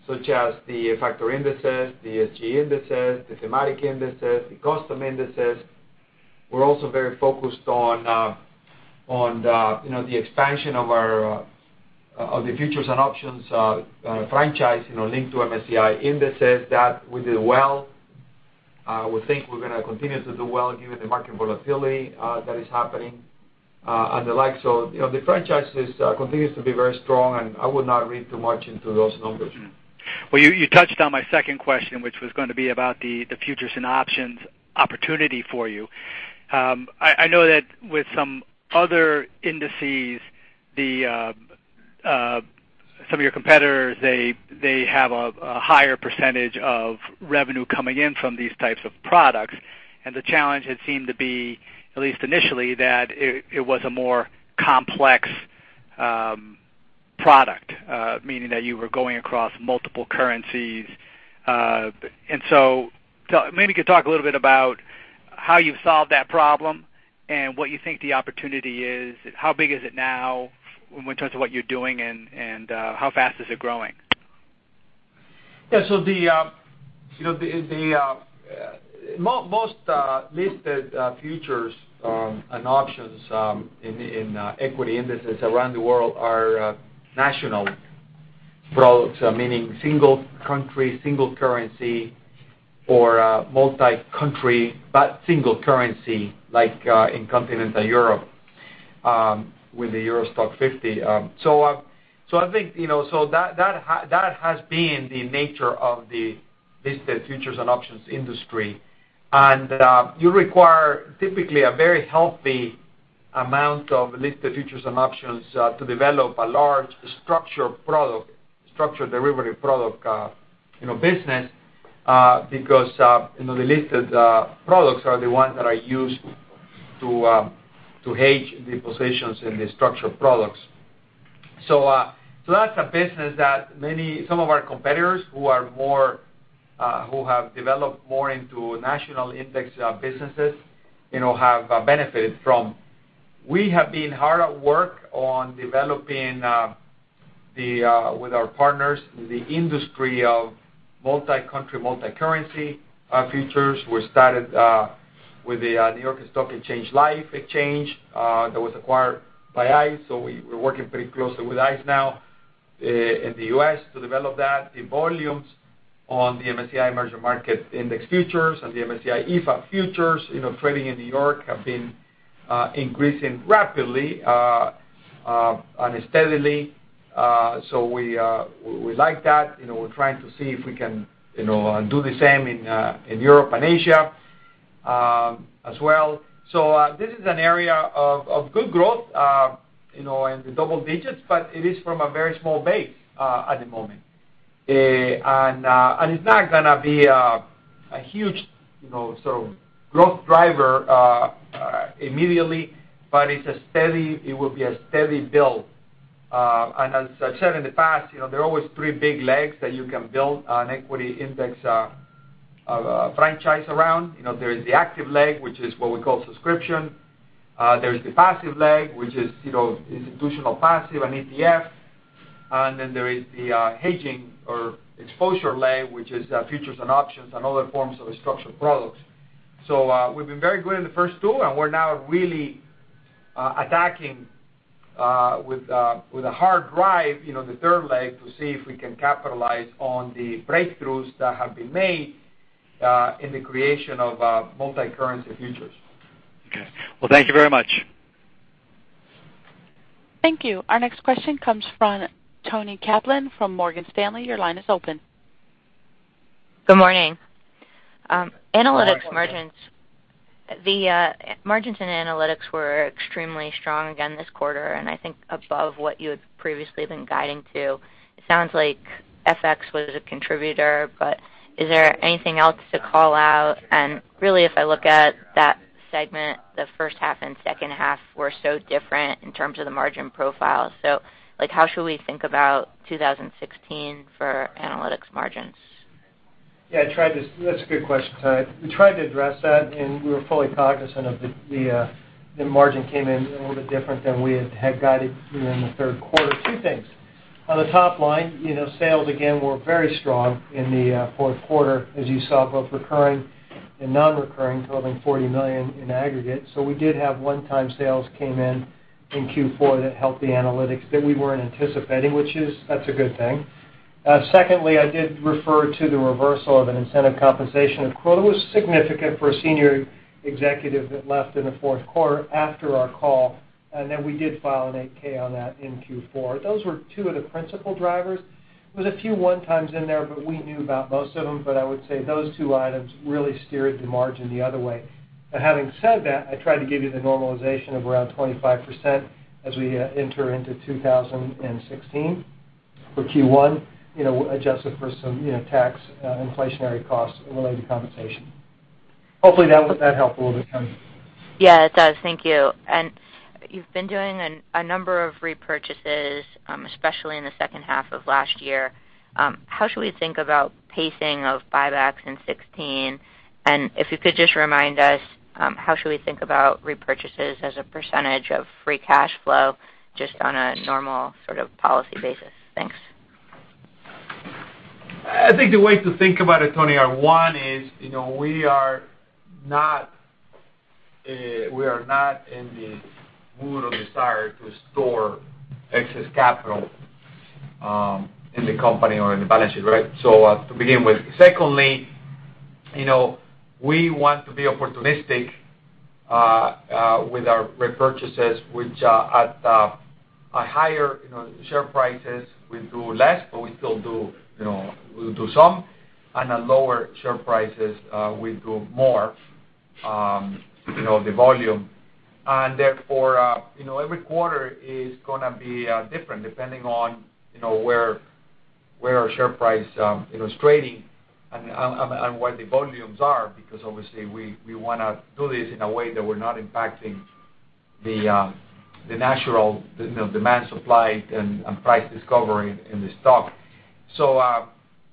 such as the factor indices, the ESG indices, the thematic indices, the custom indices. We are also very focused on the expansion of the futures and options franchise linked to MSCI indices. That we did well. We think we are going to continue to do well given the market volatility that is happening and the like. The franchise continues to be very strong. I would not read too much into those numbers. You touched on my second question, which was going to be about the futures and options opportunity for you. I know that with some other indices, some of your competitors, they have a higher percentage of revenue coming in from these types of products, and the challenge had seemed to be, at least initially, that it was a more complex product. Meaning that you were going across multiple currencies. Maybe you could talk a little bit about how you have solved that problem and what you think the opportunity is. How big is it now in terms of what you are doing, and how fast is it growing? Yeah. Most listed futures and options in equity indices around the world are national products, meaning single country, single currency, or multi-country, but single currency, like in continental Europe with the EURO STOXX 50. I think that has been the nature of the listed futures and options industry. You require typically a very healthy amount of listed futures and options to develop a large structured product, structured derivative product business because the listed products are the ones that are used to hedge the positions in the structured products. That's a business that some of our competitors who have developed more into national index businesses have benefited from. We have been hard at work on developing, with our partners, the industry of multi-country, multi-currency futures. We started with the New York Stock Exchange Liffe exchange that was acquired by ICE. We're working pretty closely with ICE now in the U.S. to develop that. The volumes on the MSCI Emerging Markets Index futures and the MSCI EAFE futures trading in New York have been increasing rapidly and steadily. We like that. We're trying to see if we can do the same in Europe and Asia as well. This is an area of good growth in the double digits, but it is from a very small base at the moment. It's not going to be a huge sort of growth driver immediately, but it will be a steady build. As I said in the past, there are always three big legs that you can build an equity index franchise around. There is the active leg, which is what we call subscription. There is the passive leg, which is institutional passive and ETF. There is the hedging or exposure leg, which is futures and options and other forms of structured products. We've been very good in the first two, and we're now really attacking with a hard drive, the third leg, to see if we can capitalize on the breakthroughs that have been made in the creation of multi-currency futures. Okay. Thank you very much. Thank you. Our next question comes from Toni Kaplan from Morgan Stanley. Your line is open. Good morning. Good morning. Analytics margins. The margins in Analytics were extremely strong again this quarter, and I think above what you had previously been guiding to. It sounds like FX was a contributor, but is there anything else to call out? Really, if I look at that segment, the first half and second half were so different in terms of the margin profile. How should we think about 2016 for Analytics margins? Yeah, that's a good question, Toni. We tried to address that. We were fully cognizant of the margin came in a little bit different than we had guided you in the third quarter. Two things. On the top line, sales again were very strong in the fourth quarter, as you saw, both recurring and non-recurring, totaling $40 million in aggregate. We did have one-time sales came in Q4 that helped the analytics that we weren't anticipating, which is a good thing. Secondly, I did refer to the reversal of an incentive compensation accrual. It was significant for a senior executive that left in the fourth quarter after our call, and then we did file an 8-K on that in Q4. Those were two of the principal drivers. There was a few one-times in there. We knew about most of them. I would say those two items really steered the margin the other way. Having said that, I tried to give you the normalization of around 25% as we enter into 2016 for Q1, adjusted for some tax inflationary costs related to compensation. Hopefully, that helped a little bit, Toni. Yeah, it does. Thank you. You've been doing a number of repurchases, especially in the second half of last year. How should we think about pacing of buybacks in 2016? If you could just remind us, how should we think about repurchases as a percentage of free cash flow, just on a normal sort of policy basis? Thanks. I think the way to think about it, Toni, one is, we are not in the mood or desire to store excess capital in the company or in the balance sheet, right? To begin with. Secondly, we want to be opportunistic with our repurchases, which at higher share prices, we do less, but we still do some. At lower share prices we do more, the volume. Therefore, every quarter is going to be different depending on where our share price is trading and what the volumes are, because obviously, we want to do this in a way that we're not impacting the natural demand, supply, and price discovery in the stock.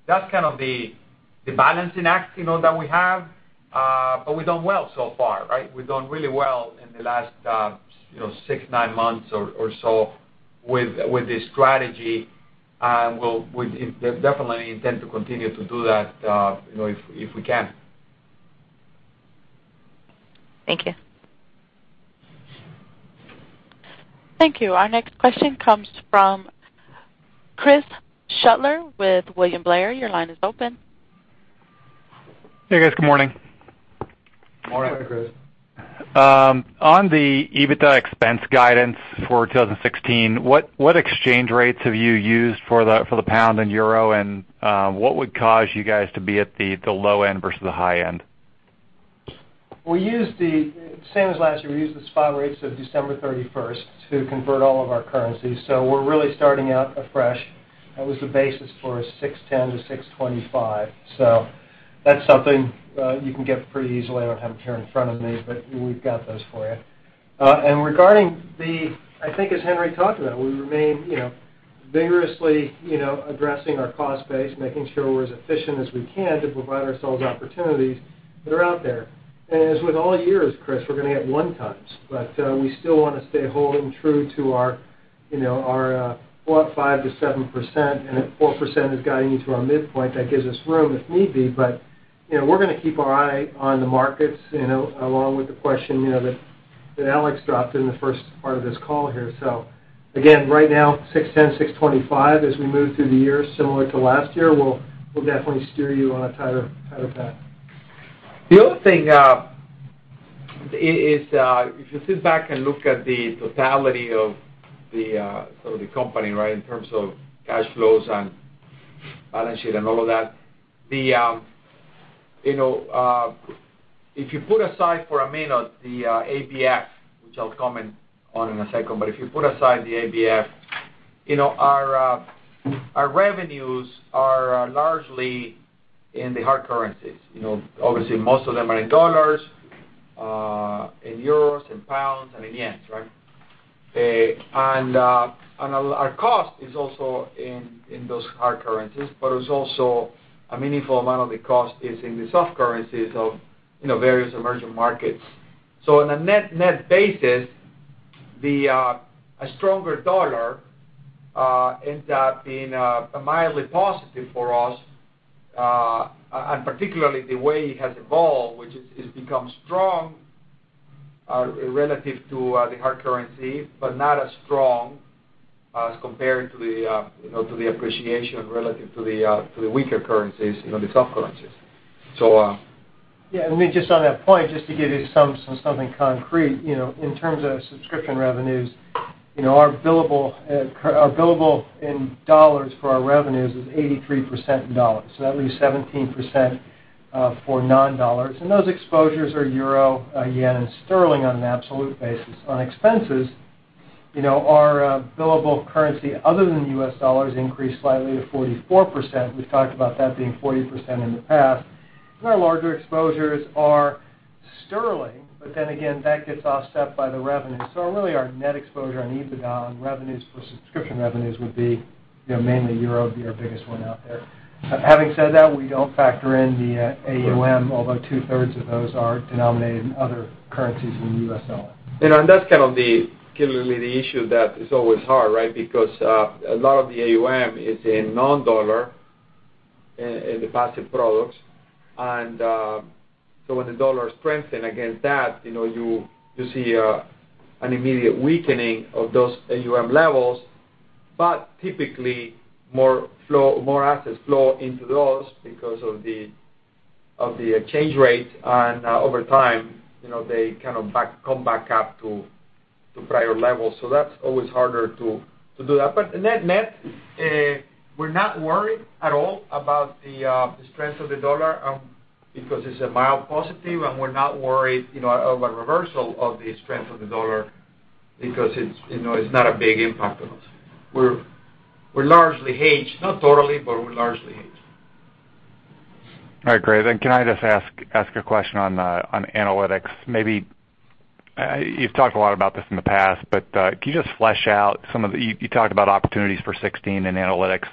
That's kind of the balancing act that we have. We've done well so far, right? We've done really well in the last six, nine months or so with this strategy. We definitely intend to continue to do that if we can. Thank you. Thank you. Our next question comes from Chris Shutler with William Blair. Your line is open. Hey, guys. Good morning. Good morning. Hi, Chris. On the EBITDA expense guidance for 2016, what exchange rates have you used for the pound and euro, and what would cause you guys to be at the low end versus the high end? We used the same as last year. We used the spot rates of December 31st to convert all of our currencies. We're really starting out afresh. That was the basis for our $610-$625. That's something you can get pretty easily. I don't have it here in front of me, but we've got those for you. Regarding the, I think as Henry talked about, we remain vigorously addressing our cost base, making sure we're as efficient as we can to provide ourselves opportunities that are out there. As with all years, Chris, we're going to hit one times, but we still want to stay holding true to our 5%-7%, and at 4% is guiding you to our midpoint. That gives us room if need be, but we're going to keep our eye on the markets, along with the question that Alex dropped in the first part of this call here. Again, right now, $610-$625. As we move through the year, similar to last year, we'll definitely steer you on a tighter path. The other thing is, if you sit back and look at the totality of the company in terms of cash flows and balance sheet and all of that. If you put aside for a minute the ABF, which I'll comment on in a second, but if you put aside the ABF, our revenues are largely in the hard currencies. Obviously, most of them are in dollars, euros, pounds, and yen, right? Our cost is also in those hard currencies, but it was also a meaningful amount of the cost is in the soft currencies of various emerging markets. On a net basis, a stronger dollar ends up being mildly positive for us, and particularly the way it has evolved, which it's become strong relative to the hard currency, but not as strong as compared to the appreciation relative to the weaker currencies, the soft currencies. So- Just on that point, just to give you something concrete. In terms of subscription revenues, our billable in dollars for our revenues is 83% in dollars. That leaves 17% for non-dollars, and those exposures are euro, yen, and sterling on an absolute basis. On expenses, our billable currency other than U.S. dollars increased slightly to 44%. We've talked about that being 40% in the past. Our larger exposures are sterling, but again, that gets offset by the revenue. Really, our net exposure on EBITDA on revenues for subscription revenues would be mainly euro would be our biggest one out there. Having said that, we don't factor in the AUM, although two-thirds of those are denominated in other currencies than the U.S. dollar. That's kind of clearly the issue that is always hard, right? Because a lot of the AUM is in non-dollar, in the passive products. When the dollar strengthened against that, you see an immediate weakening of those AUM levels, but typically more assets flow into those because of the change rate, and over time, they kind of come back up to prior levels. That's always harder to do that. Net, we're not worried at all about the strength of the dollar because it's a mild positive, and we're not worried of a reversal of the strength of the dollar because it's not a big impact on us. We're largely hedged. Not totally, but we're largely hedged. All right, great. Can I just ask a question on analytics? Maybe, you've talked a lot about this in the past, but can you just flesh out. You talked about opportunities for 2016 in analytics,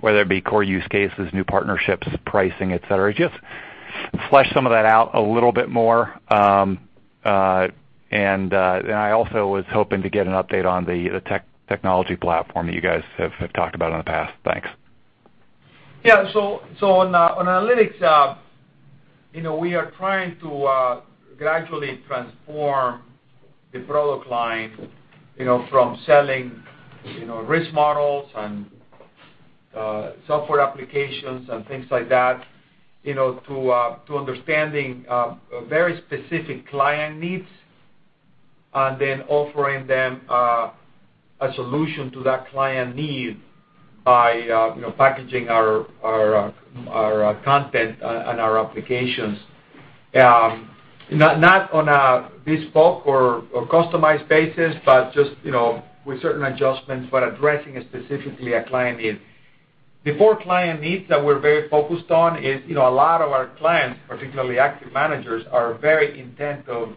whether it be core use cases, new partnerships, pricing, et cetera. Just flesh some of that out a little bit more. I also was hoping to get an update on the technology platform that you guys have talked about in the past. Thanks. Yeah. On analytics, we are trying to gradually transform the product line from selling risk models and software applications and things like that, to understanding very specific client needs and then offering them a solution to that client need by packaging our content and our applications. Not on a bespoke or customized basis, but just with certain adjustments, but addressing specifically a client need. The four client needs that we're very focused on is a lot of our clients, particularly active managers, are very intent of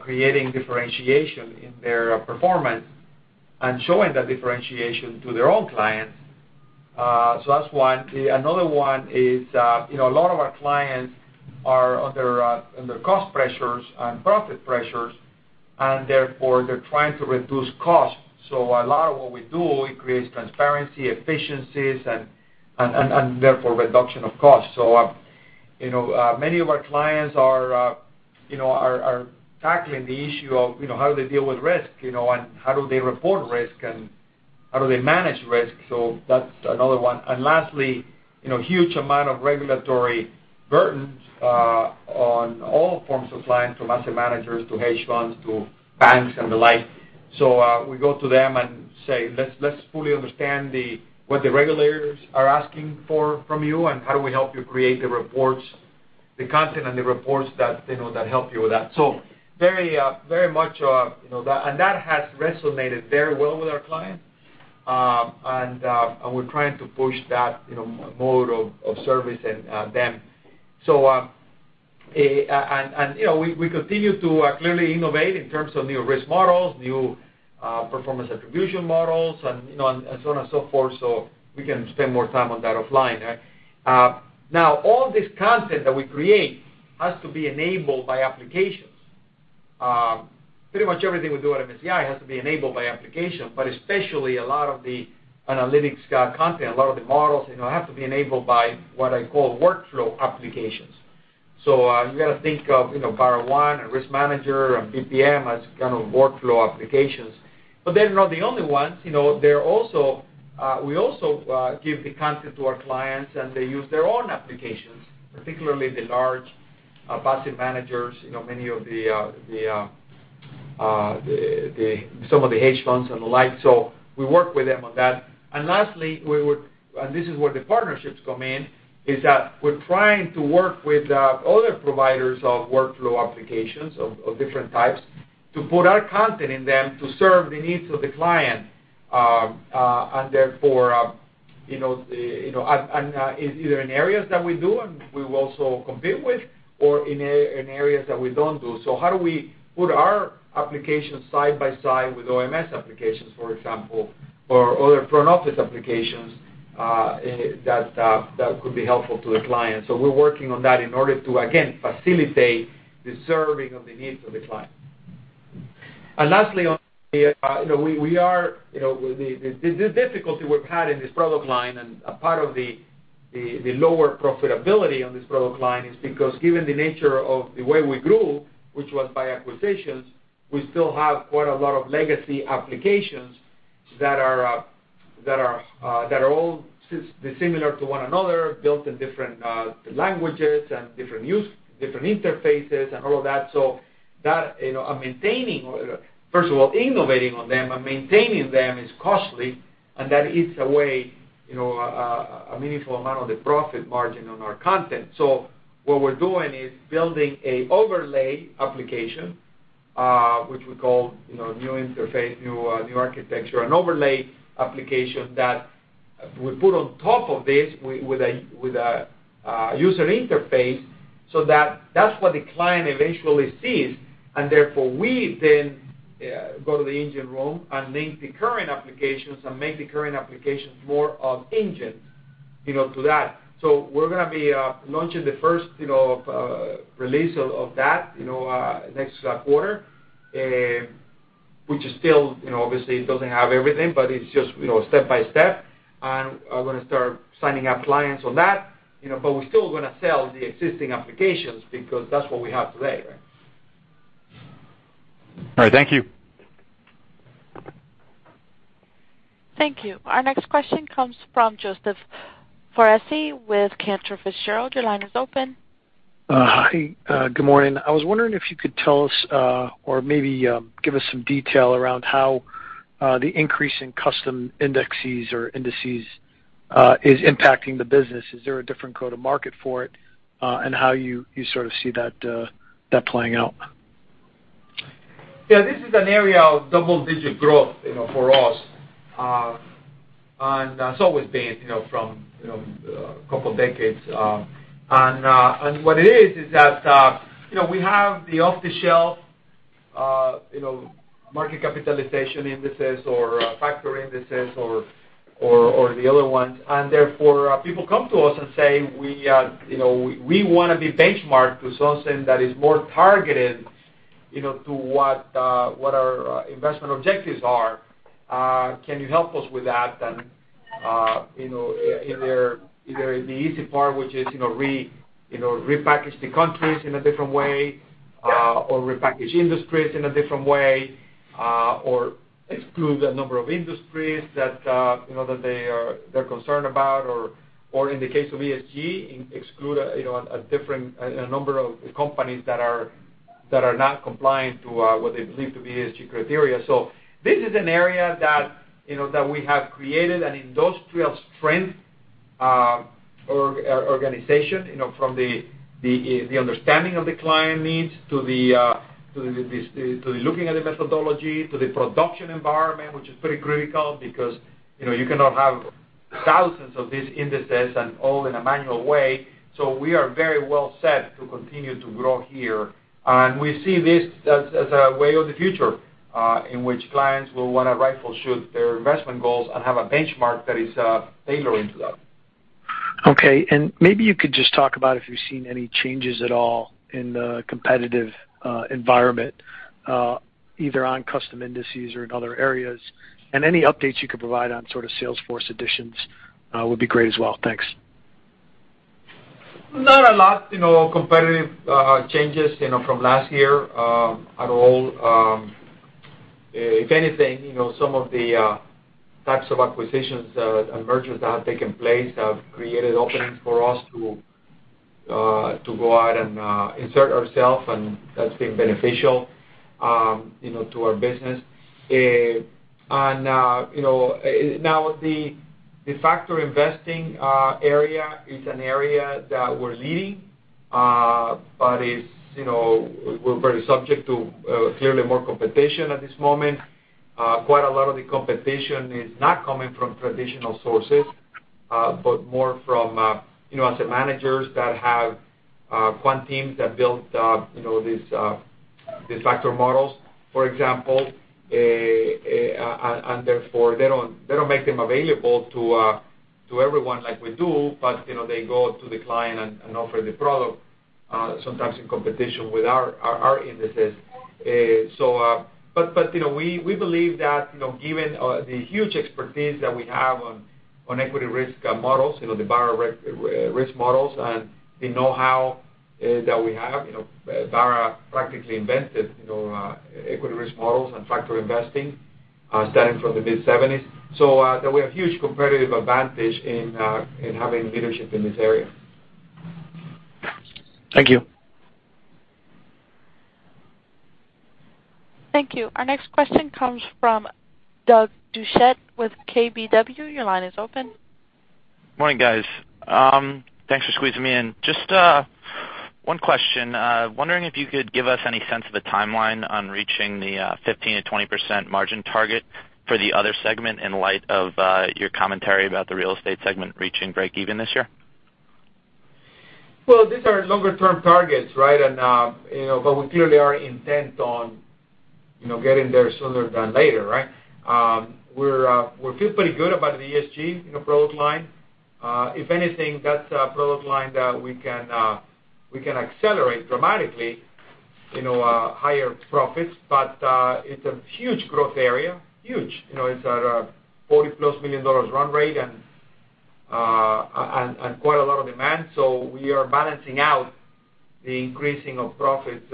creating differentiation in their performance and showing that differentiation to their own clients. That's one. Another one is, a lot of our clients are under cost pressures and profit pressures, and therefore, they're trying to reduce costs. A lot of what we do, it creates transparency, efficiencies, and therefore reduction of costs. Many of our clients are tackling the issue of how do they deal with risk, and how do they report risk, and how do they manage risk? That's another one. Lastly, huge amount of regulatory burdens on all forms of clients, from asset managers to hedge funds to banks and the like. We go to them and say, "Let's fully understand what the regulators are asking for from you, and how do we help you create the content and the reports that help you with that?" That has resonated very well with our clients. We're trying to push that mode of service in them. We continue to clearly innovate in terms of new risk models, new performance attribution models, and so on and so forth. We can spend more time on that offline. All this content that we create has to be enabled by applications. Pretty much everything we do at MSCI has to be enabled by applications, but especially a lot of the analytics content, a lot of the models, have to be enabled by what I call workflow applications. You got to think of BarraOne and RiskManager and BPM as kind of workflow applications. They're not the only ones. We also give the content to our clients, and they use their own applications, particularly the large asset managers, some of the hedge funds and the like. We work with them on that. Lastly, this is where the partnerships come in, is that we're trying to work with other providers of workflow applications of different types to put our content in them to serve the needs of the client. Therefore, either in areas that we do and we will also compete with, or in areas that we don't do. How do we put our applications side by side with OMS applications, for example, or other front-office applications that could be helpful to the client? We're working on that in order to, again, facilitate the serving of the needs of the client. Lastly on the. The difficulty we've had in this product line and a part of the lower profitability on this product line is because given the nature of the way we grew, which was by acquisitions, we still have quite a lot of legacy applications that are all dissimilar to one another, built in different languages and different interfaces and all of that. First of all, innovating on them and maintaining them is costly, and that eats away a meaningful amount of the profit margin on our content. What we're doing is building an overlay application which we call new interface, new architecture, an overlay application that we put on top of this with a user interface so that that's what the client eventually sees. Therefore, we then go to the engine room and link the current applications and make the current applications more of engines to that. We're going to be launching the first release of that next quarter, which obviously doesn't have everything, but it's just step by step, and are going to start signing up clients on that. We're still going to sell the existing applications because that's what we have today. All right. Thank you. Thank you. Our next question comes from Joseph Foresi with Cantor Fitzgerald. Your line is open. Hi, good morning. I was wondering if you could tell us, or maybe give us some detail around how the increase in custom indexes or indices is impacting the business. Is there a different go-to-market for it? How you sort of see that playing out. This is an area of double-digit growth for us. It's always been from a couple of decades. What it is is that we have the off-the-shelf market capitalization indices or factor indices or the other ones, and therefore, people come to us and say, "We want to be benchmarked to something that is more targeted to what our investment objectives are. Can you help us with that?" Either the easy part, which is repackage the countries in a different way, or repackage industries in a different way, or exclude the number of industries that they're concerned about, or in the case of ESG, exclude a number of companies that are not compliant to what they believe to be ESG criteria. This is an area that we have created an industrial-strength organization from the understanding of the client needs to the looking at the methodology, to the production environment, which is pretty critical because you cannot have thousands of these indices and all in a manual way. We are very well set to continue to grow here. We see this as a way of the future in which clients will want to rifle-shoot their investment goals and have a benchmark that is tailoring to that. Okay. Maybe you could just talk about if you've seen any changes at all in the competitive environment, either on custom indices or in other areas, any updates you could provide on sort of sales force additions would be great as well. Thanks. Not a lot competitive changes from last year at all. If anything, some of the types of acquisitions and mergers that have taken place have created openings for us to go out and insert ourselves, and that's been beneficial to our business. The factor investing area is an area that we're leading, but we're very subject to clearly more competition at this moment. Quite a lot of the competition is not coming from traditional sources but more from asset managers that have quant teams that build these factor models, for example, and therefore they don't make them available to everyone like we do, but they go to the client and offer the product, sometimes in competition with our indices. We believe that given the huge expertise that we have on equity risk models, the Barra risk models, and the know-how that we have, Barra practically invented equity risk models and factor investing starting from the mid-'70s. We have huge competitive advantage in having leadership in this area. Thank you. Thank you. Our next question comes from Doug Doucette with KBW. Your line is open. Morning, guys. Thanks for squeezing me in. Just one question. Wondering if you could give us any sense of a timeline on reaching the 15%-20% margin target for the other segment in light of your commentary about the real estate segment reaching breakeven this year. These are longer-term targets, right? We clearly are intent on getting there sooner than later, right? We feel pretty good about the ESG product line. If anything, that's a product line that we can accelerate dramatically, higher profits. It's a huge growth area, huge. It's a $40-plus million run rate and quite a lot of demand. We are balancing out the increasing of profits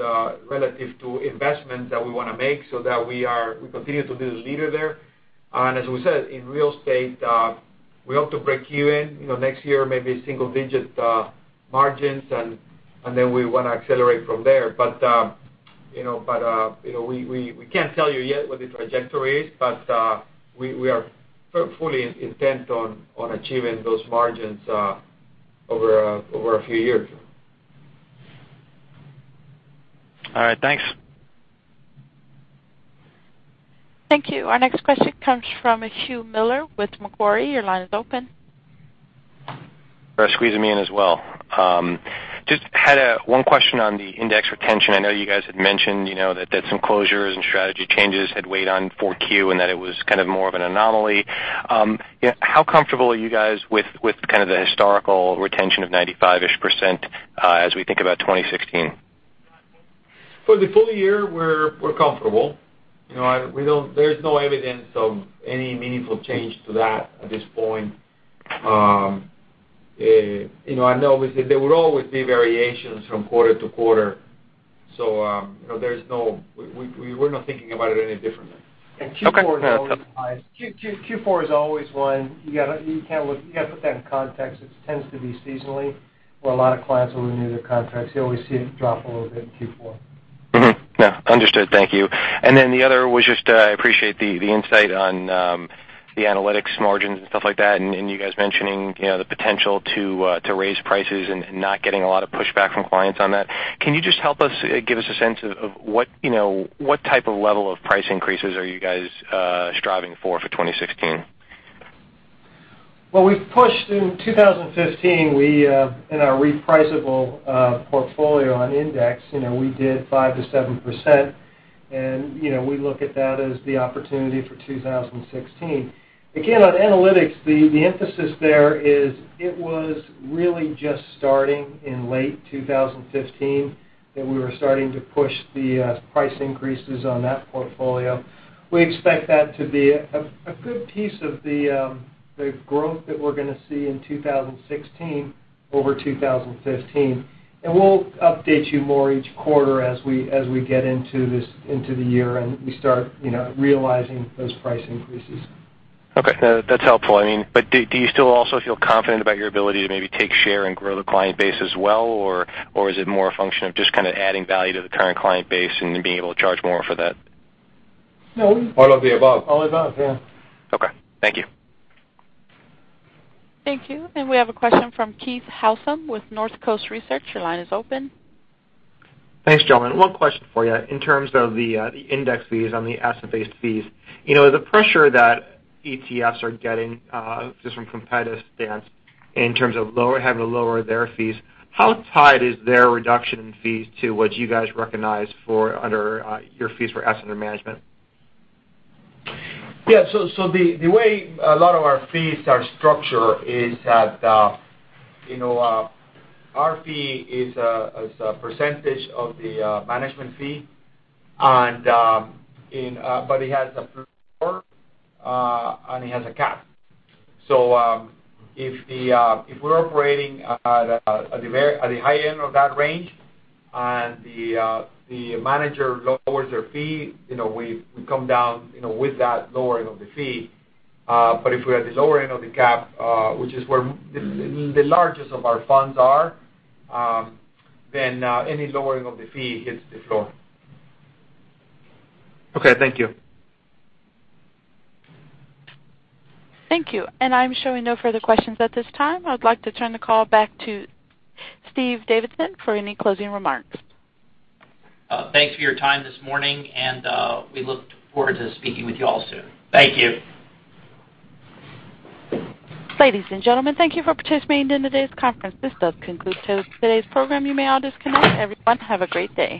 relative to investments that we want to make so that we continue to be the leader there. As we said, in real estate, we hope to breakeven next year, maybe single-digit margins, and then we want to accelerate from there. We can't tell you yet what the trajectory is, we are fully intent on achieving those margins Over a few years. All right, thanks. Thank you. Our next question comes from Hugh Miller with Macquarie. Your line is open. For squeezing me in as well. Just had one question on the index retention. I know you guys had mentioned that some closures and strategy changes had weighed on 4Q and that it was kind of more of an anomaly. How comfortable are you guys with kind of the historical retention of 95%-ish as we think about 2016? For the full year, we're comfortable. There's no evidence of any meaningful change to that at this point. I know there will always be variations from quarter to quarter. We're not thinking about it any differently. Okay. Q4 is always one you've got to put that in context. It tends to be seasonally where a lot of clients will renew their contracts. You always see it drop a little bit in Q4. Mm-hmm. Yeah. Understood. Thank you. The other was just, I appreciate the insight on the analytics margins and stuff like that, and you guys mentioning the potential to raise prices and not getting a lot of pushback from clients on that. Can you just help us give us a sense of what type of level of price increases are you guys striving for 2016? Well, we've pushed in 2015, in our repriceable portfolio on index, we did 5%-7%, and we look at that as the opportunity for 2016. On analytics, the emphasis there is it was really just starting in late 2015 that we were starting to push the price increases on that portfolio. We expect that to be a good piece of the growth that we're going to see in 2016 over 2015. We'll update you more each quarter as we get into the year and we start realizing those price increases. Okay. No, that's helpful. Do you still also feel confident about your ability to maybe take share and grow the client base as well? Is it more a function of just kind of adding value to the current client base and being able to charge more for that? No. All of the above. All above, yeah. Okay. Thank you. Thank you. We have a question from Keith Housum with Northcoast Research. Your line is open. Thanks, gentlemen. One question for you. In terms of the index fees on the asset-based fees, the pressure that ETFs are getting just from competitive stance in terms of having to lower their fees, how tied is their reduction in fees to what you guys recognize for under your fees for asset management? Yeah. The way a lot of our fees are structured is that our fee is a percentage of the management fee, but it has a floor, and it has a cap. If we're operating at the high end of that range and the manager lowers their fee, we come down with that lowering of the fee. If we're at the lower end of the cap, which is where the largest of our funds are, then any lowering of the fee hits the floor. Okay, thank you. Thank you. I'm showing no further questions at this time. I'd like to turn the call back to Stephen Davidson for any closing remarks. Thanks for your time this morning, and we look forward to speaking with you all soon. Thank you. Ladies and gentlemen, thank you for participating in today's conference. This does conclude today's program. You may all disconnect. Everyone, have a great day